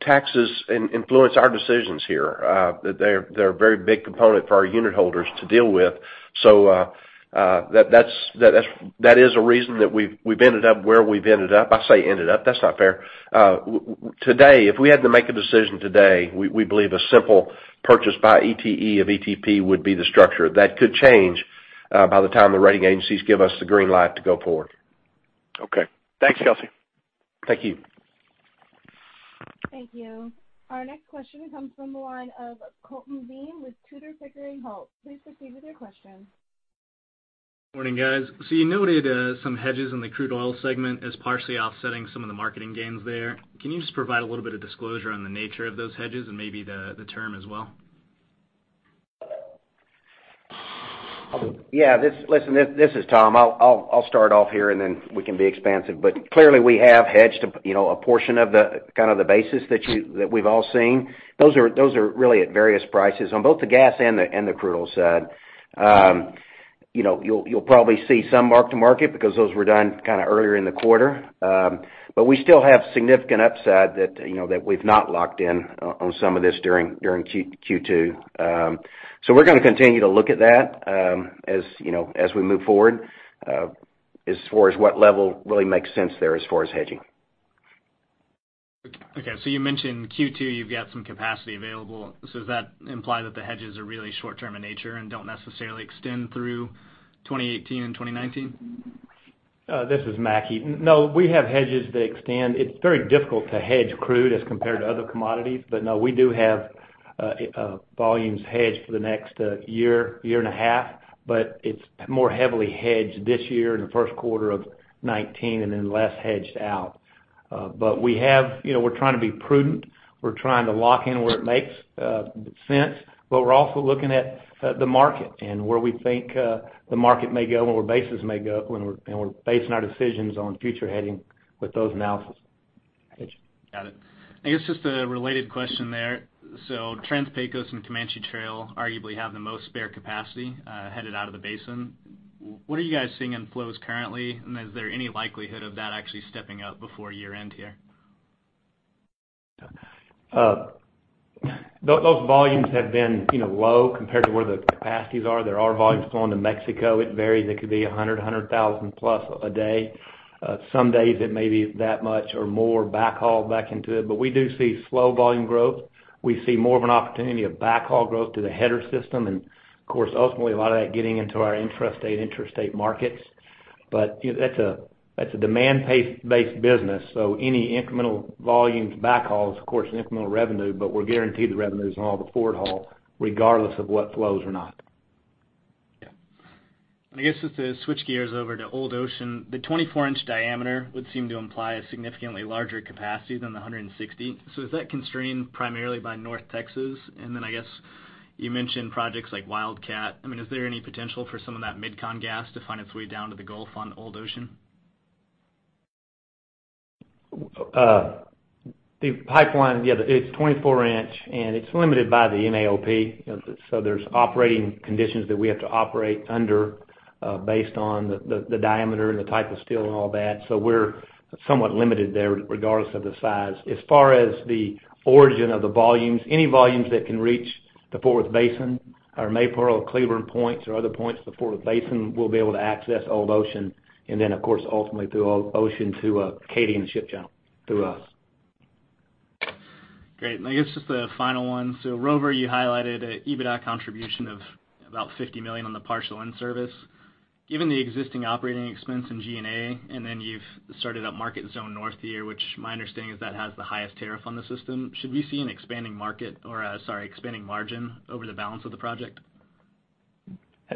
taxes influence our decisions here. They're a very big component for our unit holders to deal with. That is a reason that we've ended up where we've ended up. I say ended up, that's not fair. Today, if we had to make a decision today, we believe a simple purchase by ETE of ETP would be the structure. That could change by the time the rating agencies give us the green light to go forward. Okay. Thanks, Kelcy. Thank you. Thank you. Our next question comes from the line of Colton Bean with Tudor, Pickering, Holt & Co. Please proceed with your question. Morning, guys. You noted some hedges in the crude oil segment as partially offsetting some of the marketing gains there. Can you just provide a little bit of disclosure on the nature of those hedges and maybe the term as well? Yeah. Listen, this is Tom. I'll start off here, and then we can be expansive. Clearly, we have hedged a portion of the basis that we've all seen. Those are really at various prices on both the gas and the crude oil side. You'll probably see some mark-to-market because those were done kind of earlier in the quarter. We still have significant upside that we've not locked in on some of this during Q2. We're going to continue to look at that as we move forward as far as what level really makes sense there as far as hedging. Okay. You mentioned Q2, you've got some capacity available. Does that imply that the hedges are really short-term in nature and don't necessarily extend through 2018 and 2019? This is Mackie. No, we have hedges. It's very difficult to hedge crude as compared to other commodities. No, we do have volumes hedged for the next year and a half. It's more heavily hedged this year in the first quarter of 2019, less hedged out. We're trying to be prudent. We're trying to lock in where it makes sense. We're also looking at the market and where we think the market may go and where bases may go, and we're basing our decisions on future hedging with those analyses. Got it. I guess just a related question there. Trans-Pecos and Comanche Trail arguably have the most spare capacity headed out of the basin. What are you guys seeing in flows currently, and is there any likelihood of that actually stepping up before year-end here? Those volumes have been low compared to where the capacities are. There are volumes going to Mexico. It varies. It could be 100,000 plus a day. Some days it may be that much or more back haul back into it. We do see slow volume growth. We see more of an opportunity of back haul growth through the header system and, of course, ultimately a lot of that getting into our intrastate, interstate markets. That's a demand-based business, so any incremental volumes back hauls, of course, incremental revenue, but we're guaranteed the revenues on all the forward haul regardless of what flows or not. Yeah. I guess just to switch gears over to Old Ocean, the 24-inch diameter would seem to imply a significantly larger capacity than the 160. Is that constrained primarily by North Texas? I guess you mentioned projects like Wildcat. Is there any potential for some of that MidCon gas to find its way down to the Gulf on Old Ocean? The pipeline, yeah, it's 24 inch, and it's limited by the MAOP. There's operating conditions that we have to operate under, based on the diameter and the type of steel and all that. We're somewhat limited there regardless of the size. As far as the origin of the volumes, any volumes that can reach the Fort Worth Basin, our Maypearl or Cleburne points or other points, the Fort Worth Basin will be able to access Old Ocean, and then, of course, ultimately through Old Ocean to Acadian Ship Channel through us. Great. I guess just a final one. Rover, you highlighted an EBITDA contribution of about $50 million on the partial in-service. Given the existing operating expense in G&A, and then you've started up Market Zone North here, which my understanding is that has the highest tariff on the system. Should we see an expanding market, or sorry, expanding margin over the balance of the project?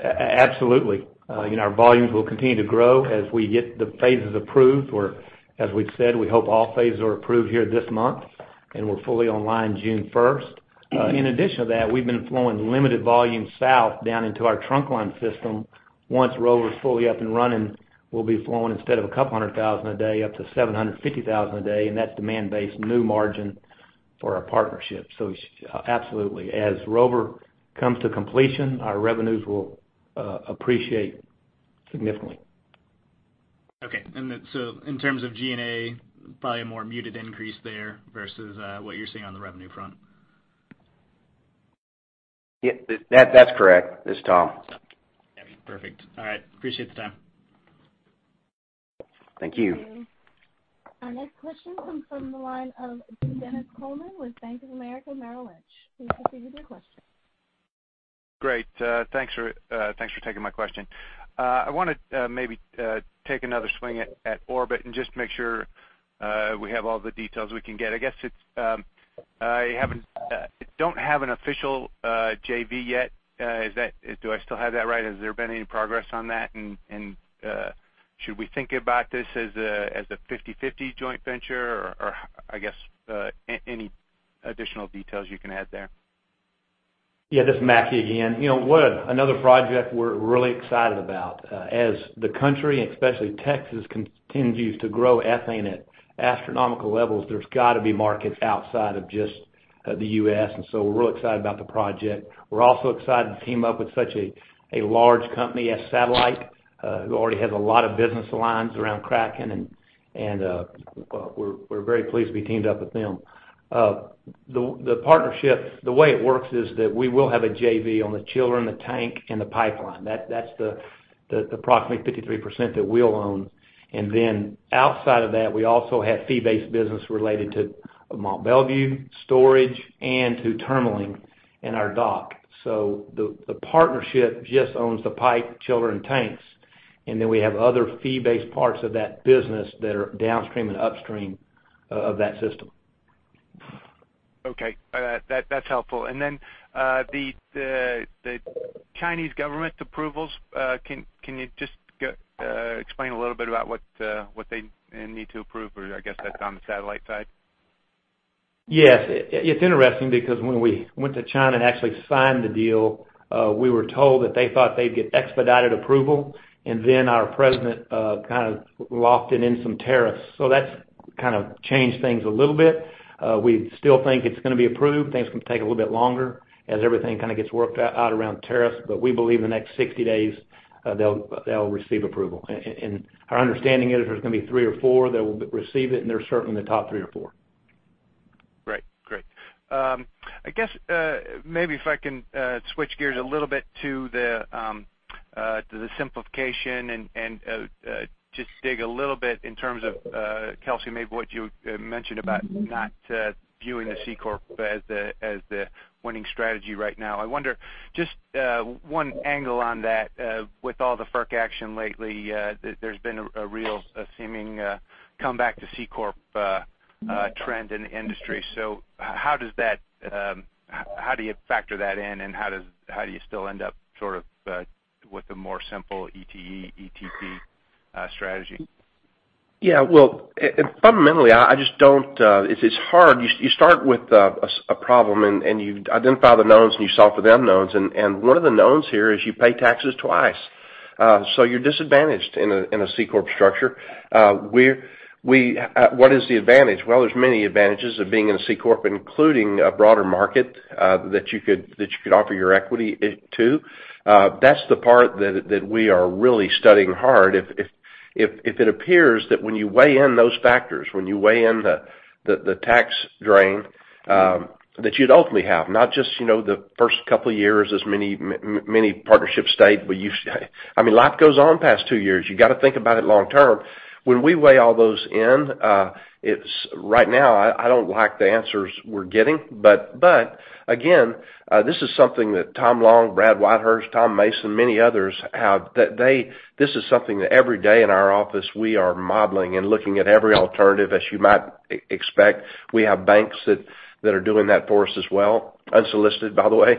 Absolutely. Our volumes will continue to grow as we get the phases approved, or as we've said, we hope all phases are approved here this month, and we're fully online June 1st. In addition to that, we've been flowing limited volumes south down into our Trunkline system. Once Rover's fully up and running, we'll be flowing instead of a couple hundred thousand a day up to 750,000 a day, and that's demand-based new margin for our partnership. Absolutely. As Rover comes to completion, our revenues will appreciate significantly. Okay. In terms of G&A, probably a more muted increase there versus what you're seeing on the revenue front. Yeah, that's correct. This is Tom. Perfect. All right. Appreciate the time. Thank you. Thank you. Our next question comes from the line of Dennis Coleman with Bank of America Merrill Lynch. Please proceed with your question. Great. Thanks for taking my question. I want to maybe take another swing at Orbit and just make sure we have all the details we can get. I guess you don't have an official JV yet. Do I still have that right? Has there been any progress on that, and should we think about this as a 50/50 joint venture or, I guess, any additional details you can add there? This is Mackie again. Another project we're really excited about. As the country, and especially Texas, continues to grow ethane at astronomical levels, there's got to be markets outside of just the U.S., we're real excited about the project. We're also excited to team up with such a large company as Satellite, who already has a lot of business lines around cracking, and we're very pleased to be teamed up with them. The partnership, the way it works is that we will have a JV on the chiller, the tank, and the pipeline. That's the approximately 53% that we'll own. Outside of that, we also have fee-based business related to Mont Belvieu storage and to terminalling and our dock. The partnership just owns the pipe, chiller, tanks, we have other fee-based parts of that business that are downstream and upstream of that system. Okay. That's helpful. The Chinese government approvals, can you just explain a little bit about what they need to approve? I guess that's on the Satellite side. Yes. It's interesting because when we went to China and actually signed the deal, we were told that they thought they'd get expedited approval, our president kind of lofted in some tariffs. That's kind of changed things a little bit. We still think it's going to be approved. Things can take a little bit longer as everything kind of gets worked out around tariffs, we believe the next 60 days, they'll receive approval. Our understanding is there's going to be three or four that will receive it, and they're certainly in the top three or four. Right. Great. I guess maybe if I can switch gears a little bit to the simplification and just dig a little bit in terms of, Kelcy, maybe what you mentioned about not viewing the C corp as the winning strategy right now. I wonder, just one angle on that, with all the FERC action lately, there's been a real seeming comeback to C corp trend in the industry. How do you factor that in, and how do you still end up sort of with the more simple ETE, ETP strategy? Yeah. Well, fundamentally, it's hard. You start with a problem, and you identify the knowns, and you solve for the unknowns. One of the knowns here is you pay taxes twice. You're disadvantaged in a C corp structure. What is the advantage? Well, there's many advantages of being in a C corp, including a broader market that you could offer your equity to. That's the part that we are really studying hard. If it appears that when you weigh in those factors, when you weigh in the tax drain that you'd ultimately have, not just the first couple of years as many partnerships state, I mean, life goes on past two years. You got to think about it long term. When we weigh all those in, right now I don't like the answers we're getting. Again, this is something that Tom Long, Bradford D. Whitehurst, Tom Mason, many others have. This is something that every day in our office we are modeling and looking at every alternative, as you might expect. We have banks that are doing that for us as well, unsolicited, by the way.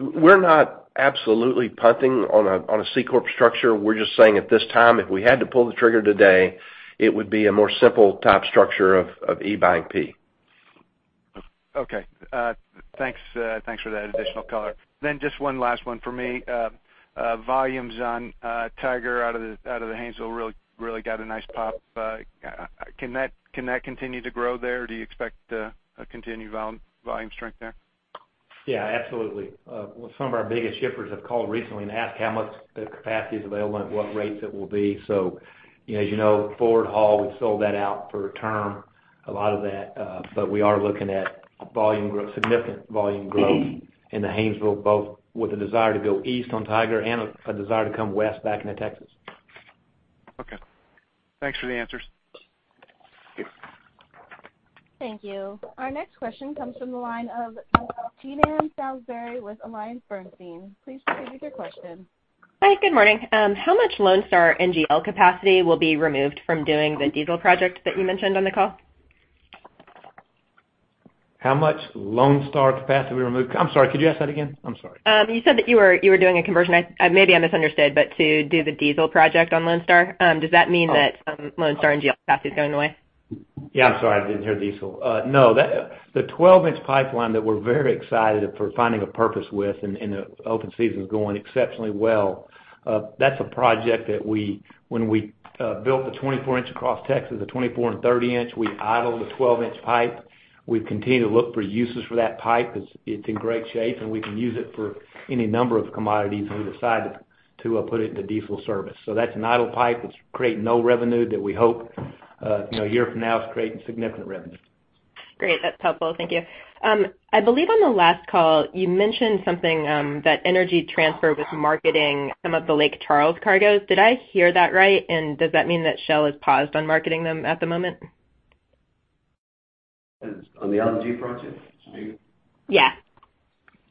We're not absolutely punting on a C corp structure. We're just saying at this time, if we had to pull the trigger today, it would be a more simple type structure of E buying P. Okay. Thanks for that additional color. Just one last one for me. Volumes on Tiger out of the Haynesville really got a nice pop. Can that continue to grow there, or do you expect a continued volume strength there? Yeah, absolutely. Well, some of our biggest shippers have called recently and asked how much the capacity is available and what rates it will be. As you know, forward haul, we've sold that out for a term, a lot of that, but we are looking at significant volume growth in the Haynesville, both with a desire to go east on Tiger and a desire to come west back into Texas. Okay. Thanks for the answers. Thank you. Thank you. Our next question comes from the line of Jean Ann Salisbury with AllianceBernstein. Please proceed with your question. Hi. Good morning. How much Lone Star NGL capacity will be removed from doing the diesel project that you mentioned on the call? How much Lone Star capacity will be removed? I'm sorry. Could you ask that again? I'm sorry. You said that you were doing a conversion. Maybe I misunderstood, but to do the diesel project on Lone Star, does that mean that some Lone Star NGL capacity is going away? Yeah, I'm sorry. I didn't hear diesel. No. The 12-inch pipeline that we're very excited for finding a purpose with in the open season is going exceptionally well. That's a project that when we built the 24-inch across Texas, the 24-inch and 30-inch, we idled the 12-inch pipe. We've continued to look for uses for that pipe. It's in great shape, and we can use it for any number of commodities, and we decided to put it into diesel service. That's an idle pipe. It's creating no revenue that we hope a year from now it's creating significant revenue. Great. That's helpful. Thank you. I believe on the last call, you mentioned something that Energy Transfer was marketing some of the Lake Charles cargoes. Did I hear that right, and does that mean that Shell has paused on marketing them at the moment? On the LNG project? Yeah.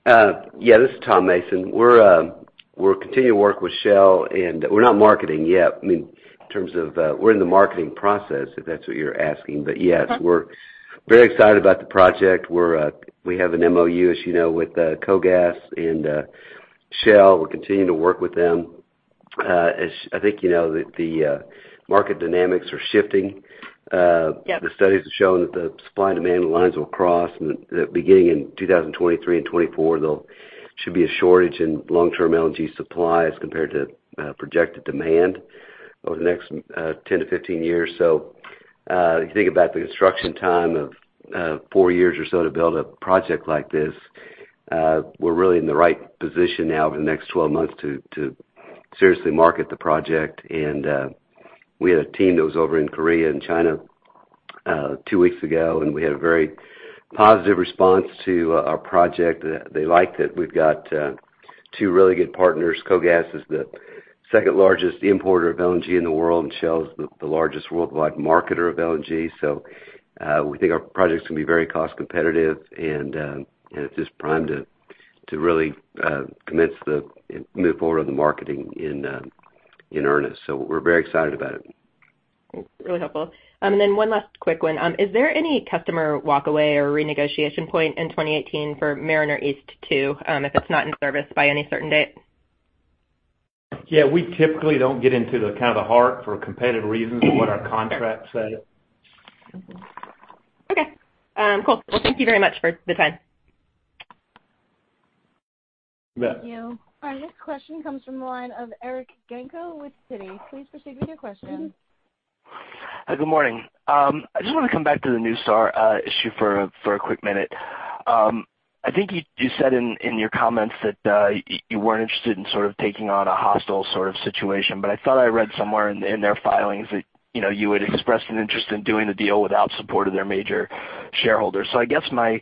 Yeah. This is Tom Mason. We'll continue to work with Shell, and we're not marketing yet. We're in the marketing process, if that's what you're asking. Yes, we're very excited about the project. We have an MOU, as you know, with KOGAS and Shell. We're continuing to work with them. As I think you know, the market dynamics are shifting. Yep. The studies have shown that the supply and demand lines will cross, and beginning in 2023 and 2024, there should be a shortage in long-term LNG supply as compared to projected demand over the next 10-15 years. If you think about the construction time of four years or so to build a project like this, we're really in the right position now over the next 12 months to seriously market the project. We had a team that was over in Korea and China two weeks ago, and we had a very positive response to our project. They liked it. We've got two really good partners. KOGAS is the second-largest importer of LNG in the world, and Shell is the largest worldwide marketer of LNG. We think our project's going to be very cost competitive, and it's just primed to really commence the move forward on the marketing in earnest. We're very excited about it. Great. Really helpful. One last quick one. Is there any customer walkaway or renegotiation point in 2018 for Mariner East 2, if it's not in service by any certain date? Yeah, we typically don't get into the heart for competitive reasons of what our contract said. Okay. Cool. Well, thank you very much for the time. You bet. Thank you. Our next question comes from the line of Eric Genco with Citi. Please proceed with your question. Hi. Good morning. I just want to come back to the NuStar issue for a quick minute. I think you said in your comments that you weren't interested in sort of taking on a hostile sort of situation, I thought I read somewhere in their filings that you had expressed an interest in doing the deal without support of their major shareholders. I guess my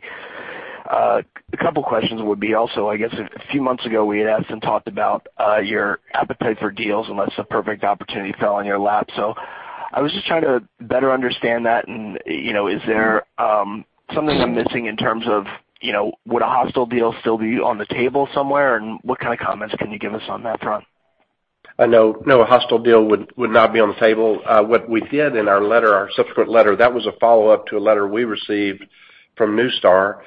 couple questions would be also, I guess a few months ago, we had asked and talked about your appetite for deals unless a perfect opportunity fell on your lap. I was just trying to better understand that, is there something I'm missing in terms of would a hostile deal still be on the table somewhere, and what kind of comments can you give us on that front? No, a hostile deal would not be on the table. What we did in our letter, our subsequent letter, that was a follow-up to a letter we received from NuStar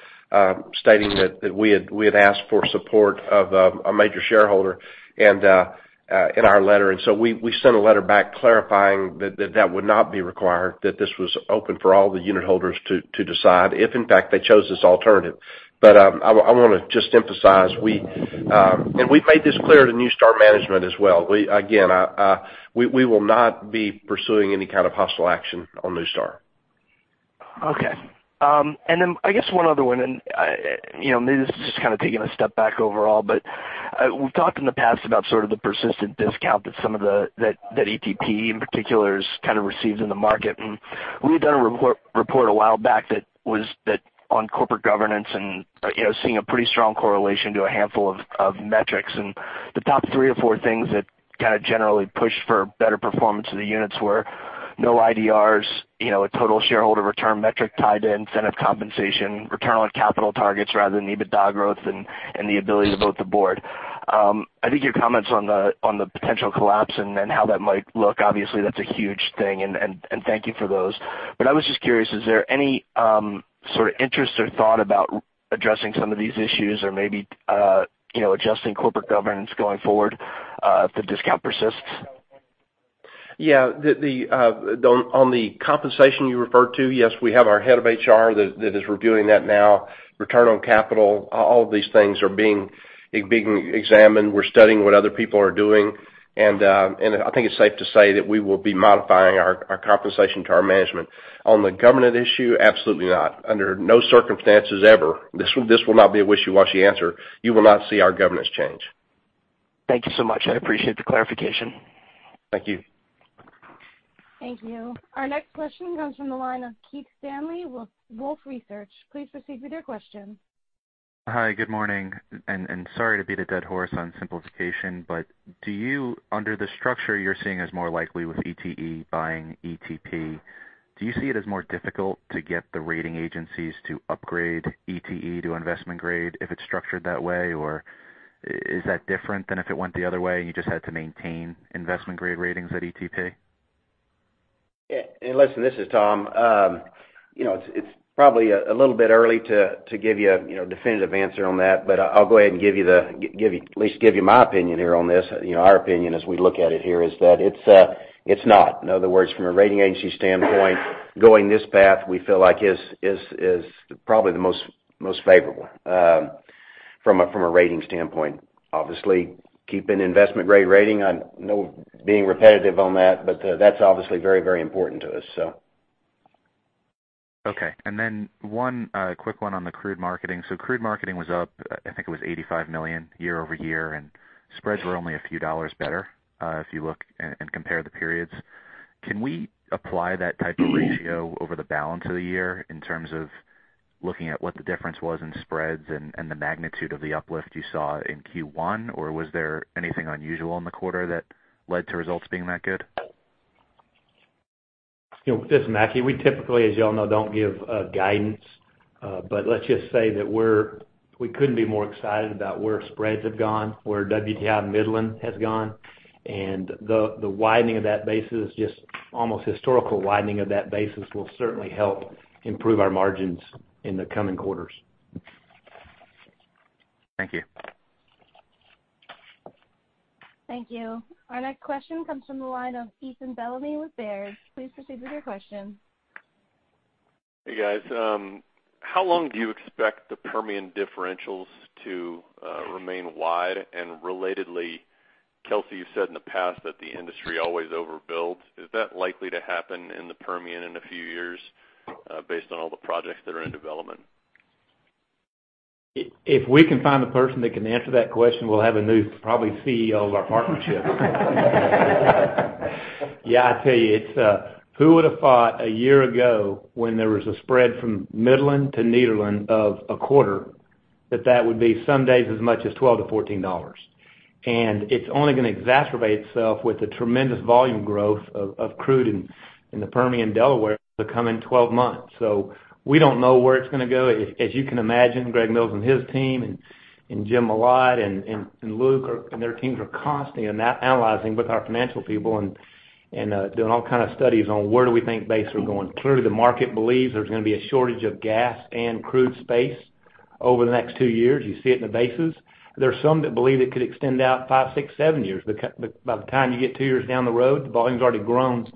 stating that we had asked for support of a major shareholder and in our letter. We sent a letter back clarifying that that would not be required, that this was open for all the unit holders to decide if in fact they chose this alternative. I want to just emphasize, and we've made this clear to NuStar management as well. Again, we will not be pursuing any kind of hostile action on NuStar. Okay. I guess one other one, maybe this is just kind of taking a step back overall, we've talked in the past about sort of the persistent discount that ETP in particular has kind of received in the market. We had done a report a while back that on corporate governance and seeing a pretty strong correlation to a handful of metrics. The top three or four things that kind of generally pushed for better performance of the units were no IDRs, a total shareholder return metric tied to incentive compensation, return on capital targets rather than EBITDA growth, and the ability to vote the board. I think your comments on the potential collapse and how that might look, obviously that's a huge thing, and thank you for those. I was just curious, is there any sort of interest or thought about addressing some of these issues or maybe adjusting corporate governance going forward if the discount persists? Yeah. On the compensation you referred to, yes, we have our head of HR that is reviewing that now. Return on capital, all of these things are being examined. We're studying what other people are doing, I think it's safe to say that we will be modifying our compensation to our management. On the governance issue, absolutely not. Under no circumstances ever. This will not be a wishy-washy answer. You will not see our governance change. Thank you so much. I appreciate the clarification. Thank you. Thank you. Our next question comes from the line of Keith Stanley with Wolfe Research. Please proceed with your question. Hi, good morning, sorry to beat a dead horse on simplification, do you, under the structure you're seeing as more likely with ETE buying ETP, do you see it as more difficult to get the rating agencies to upgrade ETE to investment grade if it's structured that way? Or is that different than if it went the other way, and you just had to maintain investment-grade ratings at ETP? Listen, this is Tom. It's probably a little bit early to give you a definitive answer on that, I'll go ahead and at least give you my opinion here on this. Our opinion as we look at it here is that it's not. In other words, from a rating agency standpoint, going this path, we feel like is probably the most favorable from a ratings standpoint. Obviously, keeping investment-grade rating, I know I'm being repetitive on that's obviously very important to us. One quick one on the crude marketing. Crude marketing was up, I think it was $85 million year-over-year, and spreads were only a few dollars better, if you look and compare the periods. Can we apply that type of ratio over the balance of the year in terms of looking at what the difference was in spreads and the magnitude of the uplift you saw in Q1? Was there anything unusual in the quarter that led to results being that good? This is Mackie. We typically, as you all know, don't give guidance. Let's just say that we couldn't be more excited about where spreads have gone, where WTI Midland has gone, and the widening of that basis, just almost historical widening of that basis will certainly help improve our margins in the coming quarters. Thank you. Thank you. Our next question comes from the line of Ethan Bellamy with Baird. Please proceed with your question. Hey, guys. How long do you expect the Permian differentials to remain wide? Relatedly, Kelcy, you said in the past that the industry always overbuilds. Is that likely to happen in the Permian in a few years based on all the projects that are in development? If we can find the person that can answer that question, we'll have a new, probably CEO of our partnership. Yeah, I tell you, who would've thought a year ago when there was a spread from Midland to Nederland of a quarter, that that would be some days as much as $12-$14. It's only going to exacerbate itself with the tremendous volume growth of crude in the Permian Delaware in the coming 12 months. We don't know where it's going to go. As you can imagine, Greg Mills and his team, Jim Malott and Luke and their teams are constantly analyzing with our financial people and doing all kinds of studies on where do we think bases are going. Clearly, the market believes there's going to be a shortage of gas and crude space over the next two years. You see it in the bases. There's some that believe it could extend out five, six, seven years. By the time you get two years down the road, the volume's already grown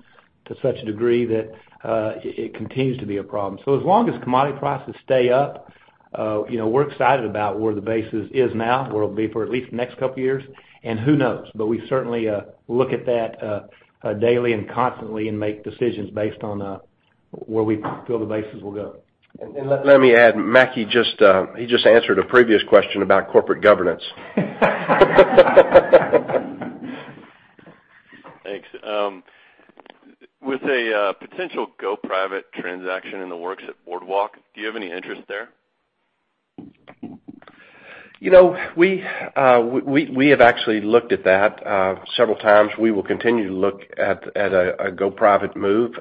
to such a degree that it continues to be a problem. As long as commodity prices stay up, we're excited about where the bases is now, where it'll be for at least the next couple of years, and who knows? We certainly look at that daily and constantly and make decisions based on where we feel the bases will go. Let me add, Mackie just answered a previous question about corporate governance. Thanks. With a potential go-private transaction in the works at Boardwalk, do you have any interest there? We have actually looked at that several times. We will continue to look at a go-private move.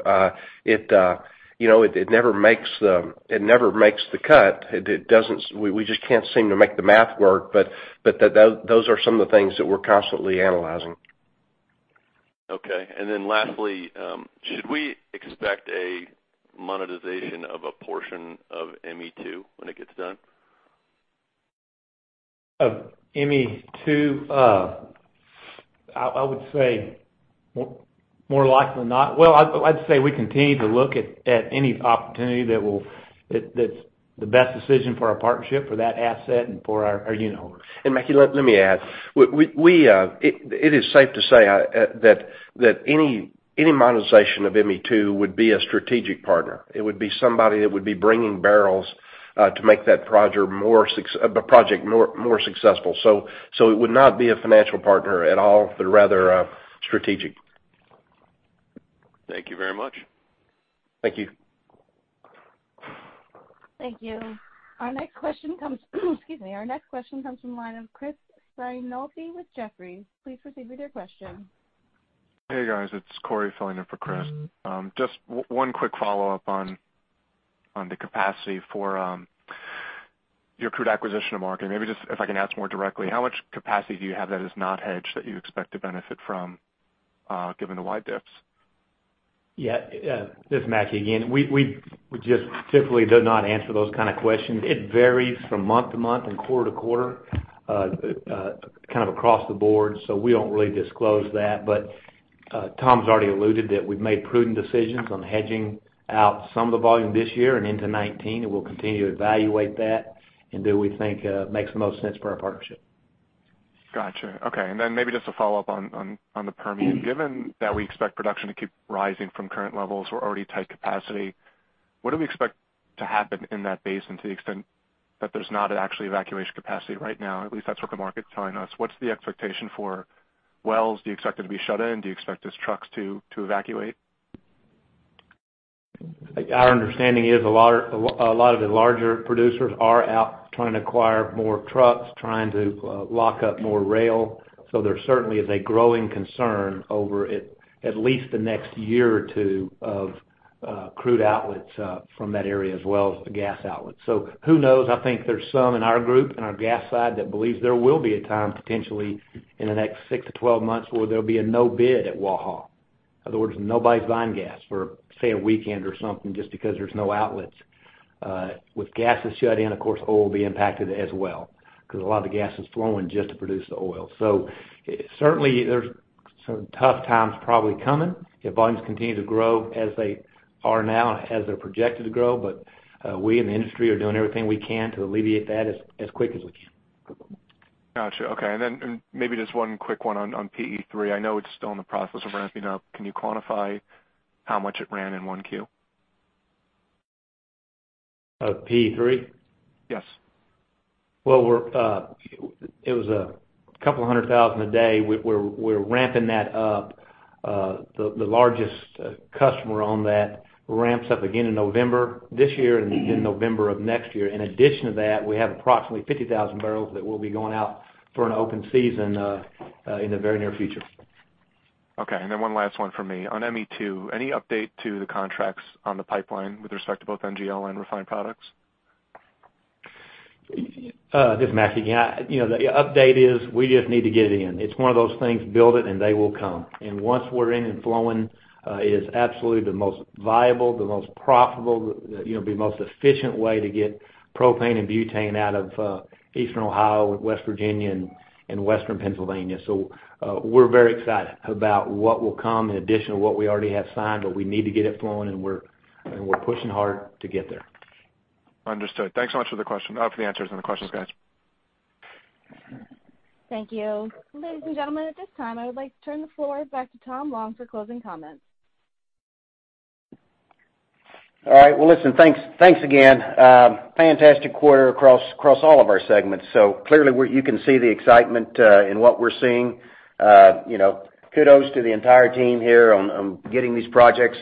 It never makes the cut. We just can't seem to make the math work. Those are some of the things that we're constantly analyzing. Okay, lastly, should we expect a monetization of a portion of ME2 when it gets done? Of ME2, I would say more likely not. I'd say we continue to look at any opportunity that's the best decision for our partnership for that asset and for our unitholders. Mackie, let me add. It is safe to say that any monetization of ME2 would be a strategic partner. It would be somebody that would be bringing barrels to make that project more successful. It would not be a financial partner at all, but rather strategic. Thank you very much. Thank you. Thank you. Our next question comes from the line of Christopher Sighinolfi with Jefferies. Please proceed with your question. Hey, guys. It's Corey filling in for Chris. Just one quick follow-up on the capacity for your crude acquisition of marketing. Maybe just if I can ask more directly, how much capacity do you have that is not hedged that you expect to benefit from given the wide dips? Yeah. This is Mackie again. We just typically do not answer those kind of questions. It varies from month to month and quarter to quarter, kind of across the board, we don't really disclose that. Tom's already alluded that we've made prudent decisions on hedging out some of the volume this year and into 2019, and we'll continue to evaluate that and do what we think makes the most sense for our partnership. Got you. Okay. Maybe just a follow-up on the Permian. Given that we expect production to keep rising from current levels, we're already tight capacity, what do we expect to happen in that basin to the extent that there's not actually evacuation capacity right now? At least that's what the market's telling us. What's the expectation for wells? Do you expect them to be shut in? Do you expect just trucks to evacuate? Our understanding is a lot of the larger producers are out trying to acquire more trucks, trying to lock up more rail. There certainly is a growing concern over at least the next year or two of crude outlets from that area, as well as the gas outlets. Who knows? I think there's some in our group, in our gas side, that believes there will be a time, potentially, in the next six to 12 months, where there'll be a no bid at Waha. In other words, nobody's buying gas for, say, a weekend or something just because there's no outlets. With gases shut in, of course, oil will be impacted as well, because a lot of the gas is flowing just to produce the oil. Certainly there's some tough times probably coming if volumes continue to grow as they are now, as they're projected to grow. We in the industry are doing everything we can to alleviate that as quick as we can. Got you. Okay. Maybe just one quick one on PE3. I know it's still in the process of ramping up. Can you quantify how much it ran in 1Q? Of PE3? Yes. It was a couple of hundred thousand a day. We're ramping that up. The largest customer on that ramps up again in November this year and again November of next year. In addition to that, we have approximately 50,000 barrels that will be going out for an open season in the very near future. Okay. Then one last one from me. On ME2, any update to the contracts on the pipeline with respect to both NGL and refined products? This is Mackie again. The update is we just need to get in. It's one of those things, build it and they will come. Once we're in and flowing, it is absolutely the most viable, the most profitable, the most efficient way to get propane and butane out of Eastern Ohio and West Virginia and Western Pennsylvania. We're very excited about what will come in addition to what we already have signed, we need to get it flowing, and we're pushing hard to get there. Understood. Thanks so much for the answers and the questions, guys. Thank you. Ladies and gentlemen, at this time, I would like to turn the floor back to Tom Long for closing comments. All right. Well, listen, thanks again. Fantastic quarter across all of our segments. Clearly, you can see the excitement in what we're seeing. Kudos to the entire team here on getting these projects,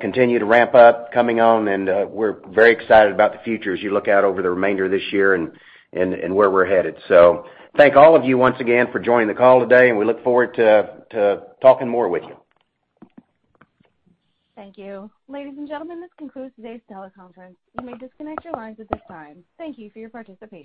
continue to ramp up, coming on, and we're very excited about the future as you look out over the remainder of this year and where we're headed. Thank all of you once again for joining the call today, and we look forward to talking more with you. Thank you. Ladies and gentlemen, this concludes today's teleconference. You may disconnect your lines at this time. Thank you for your participation.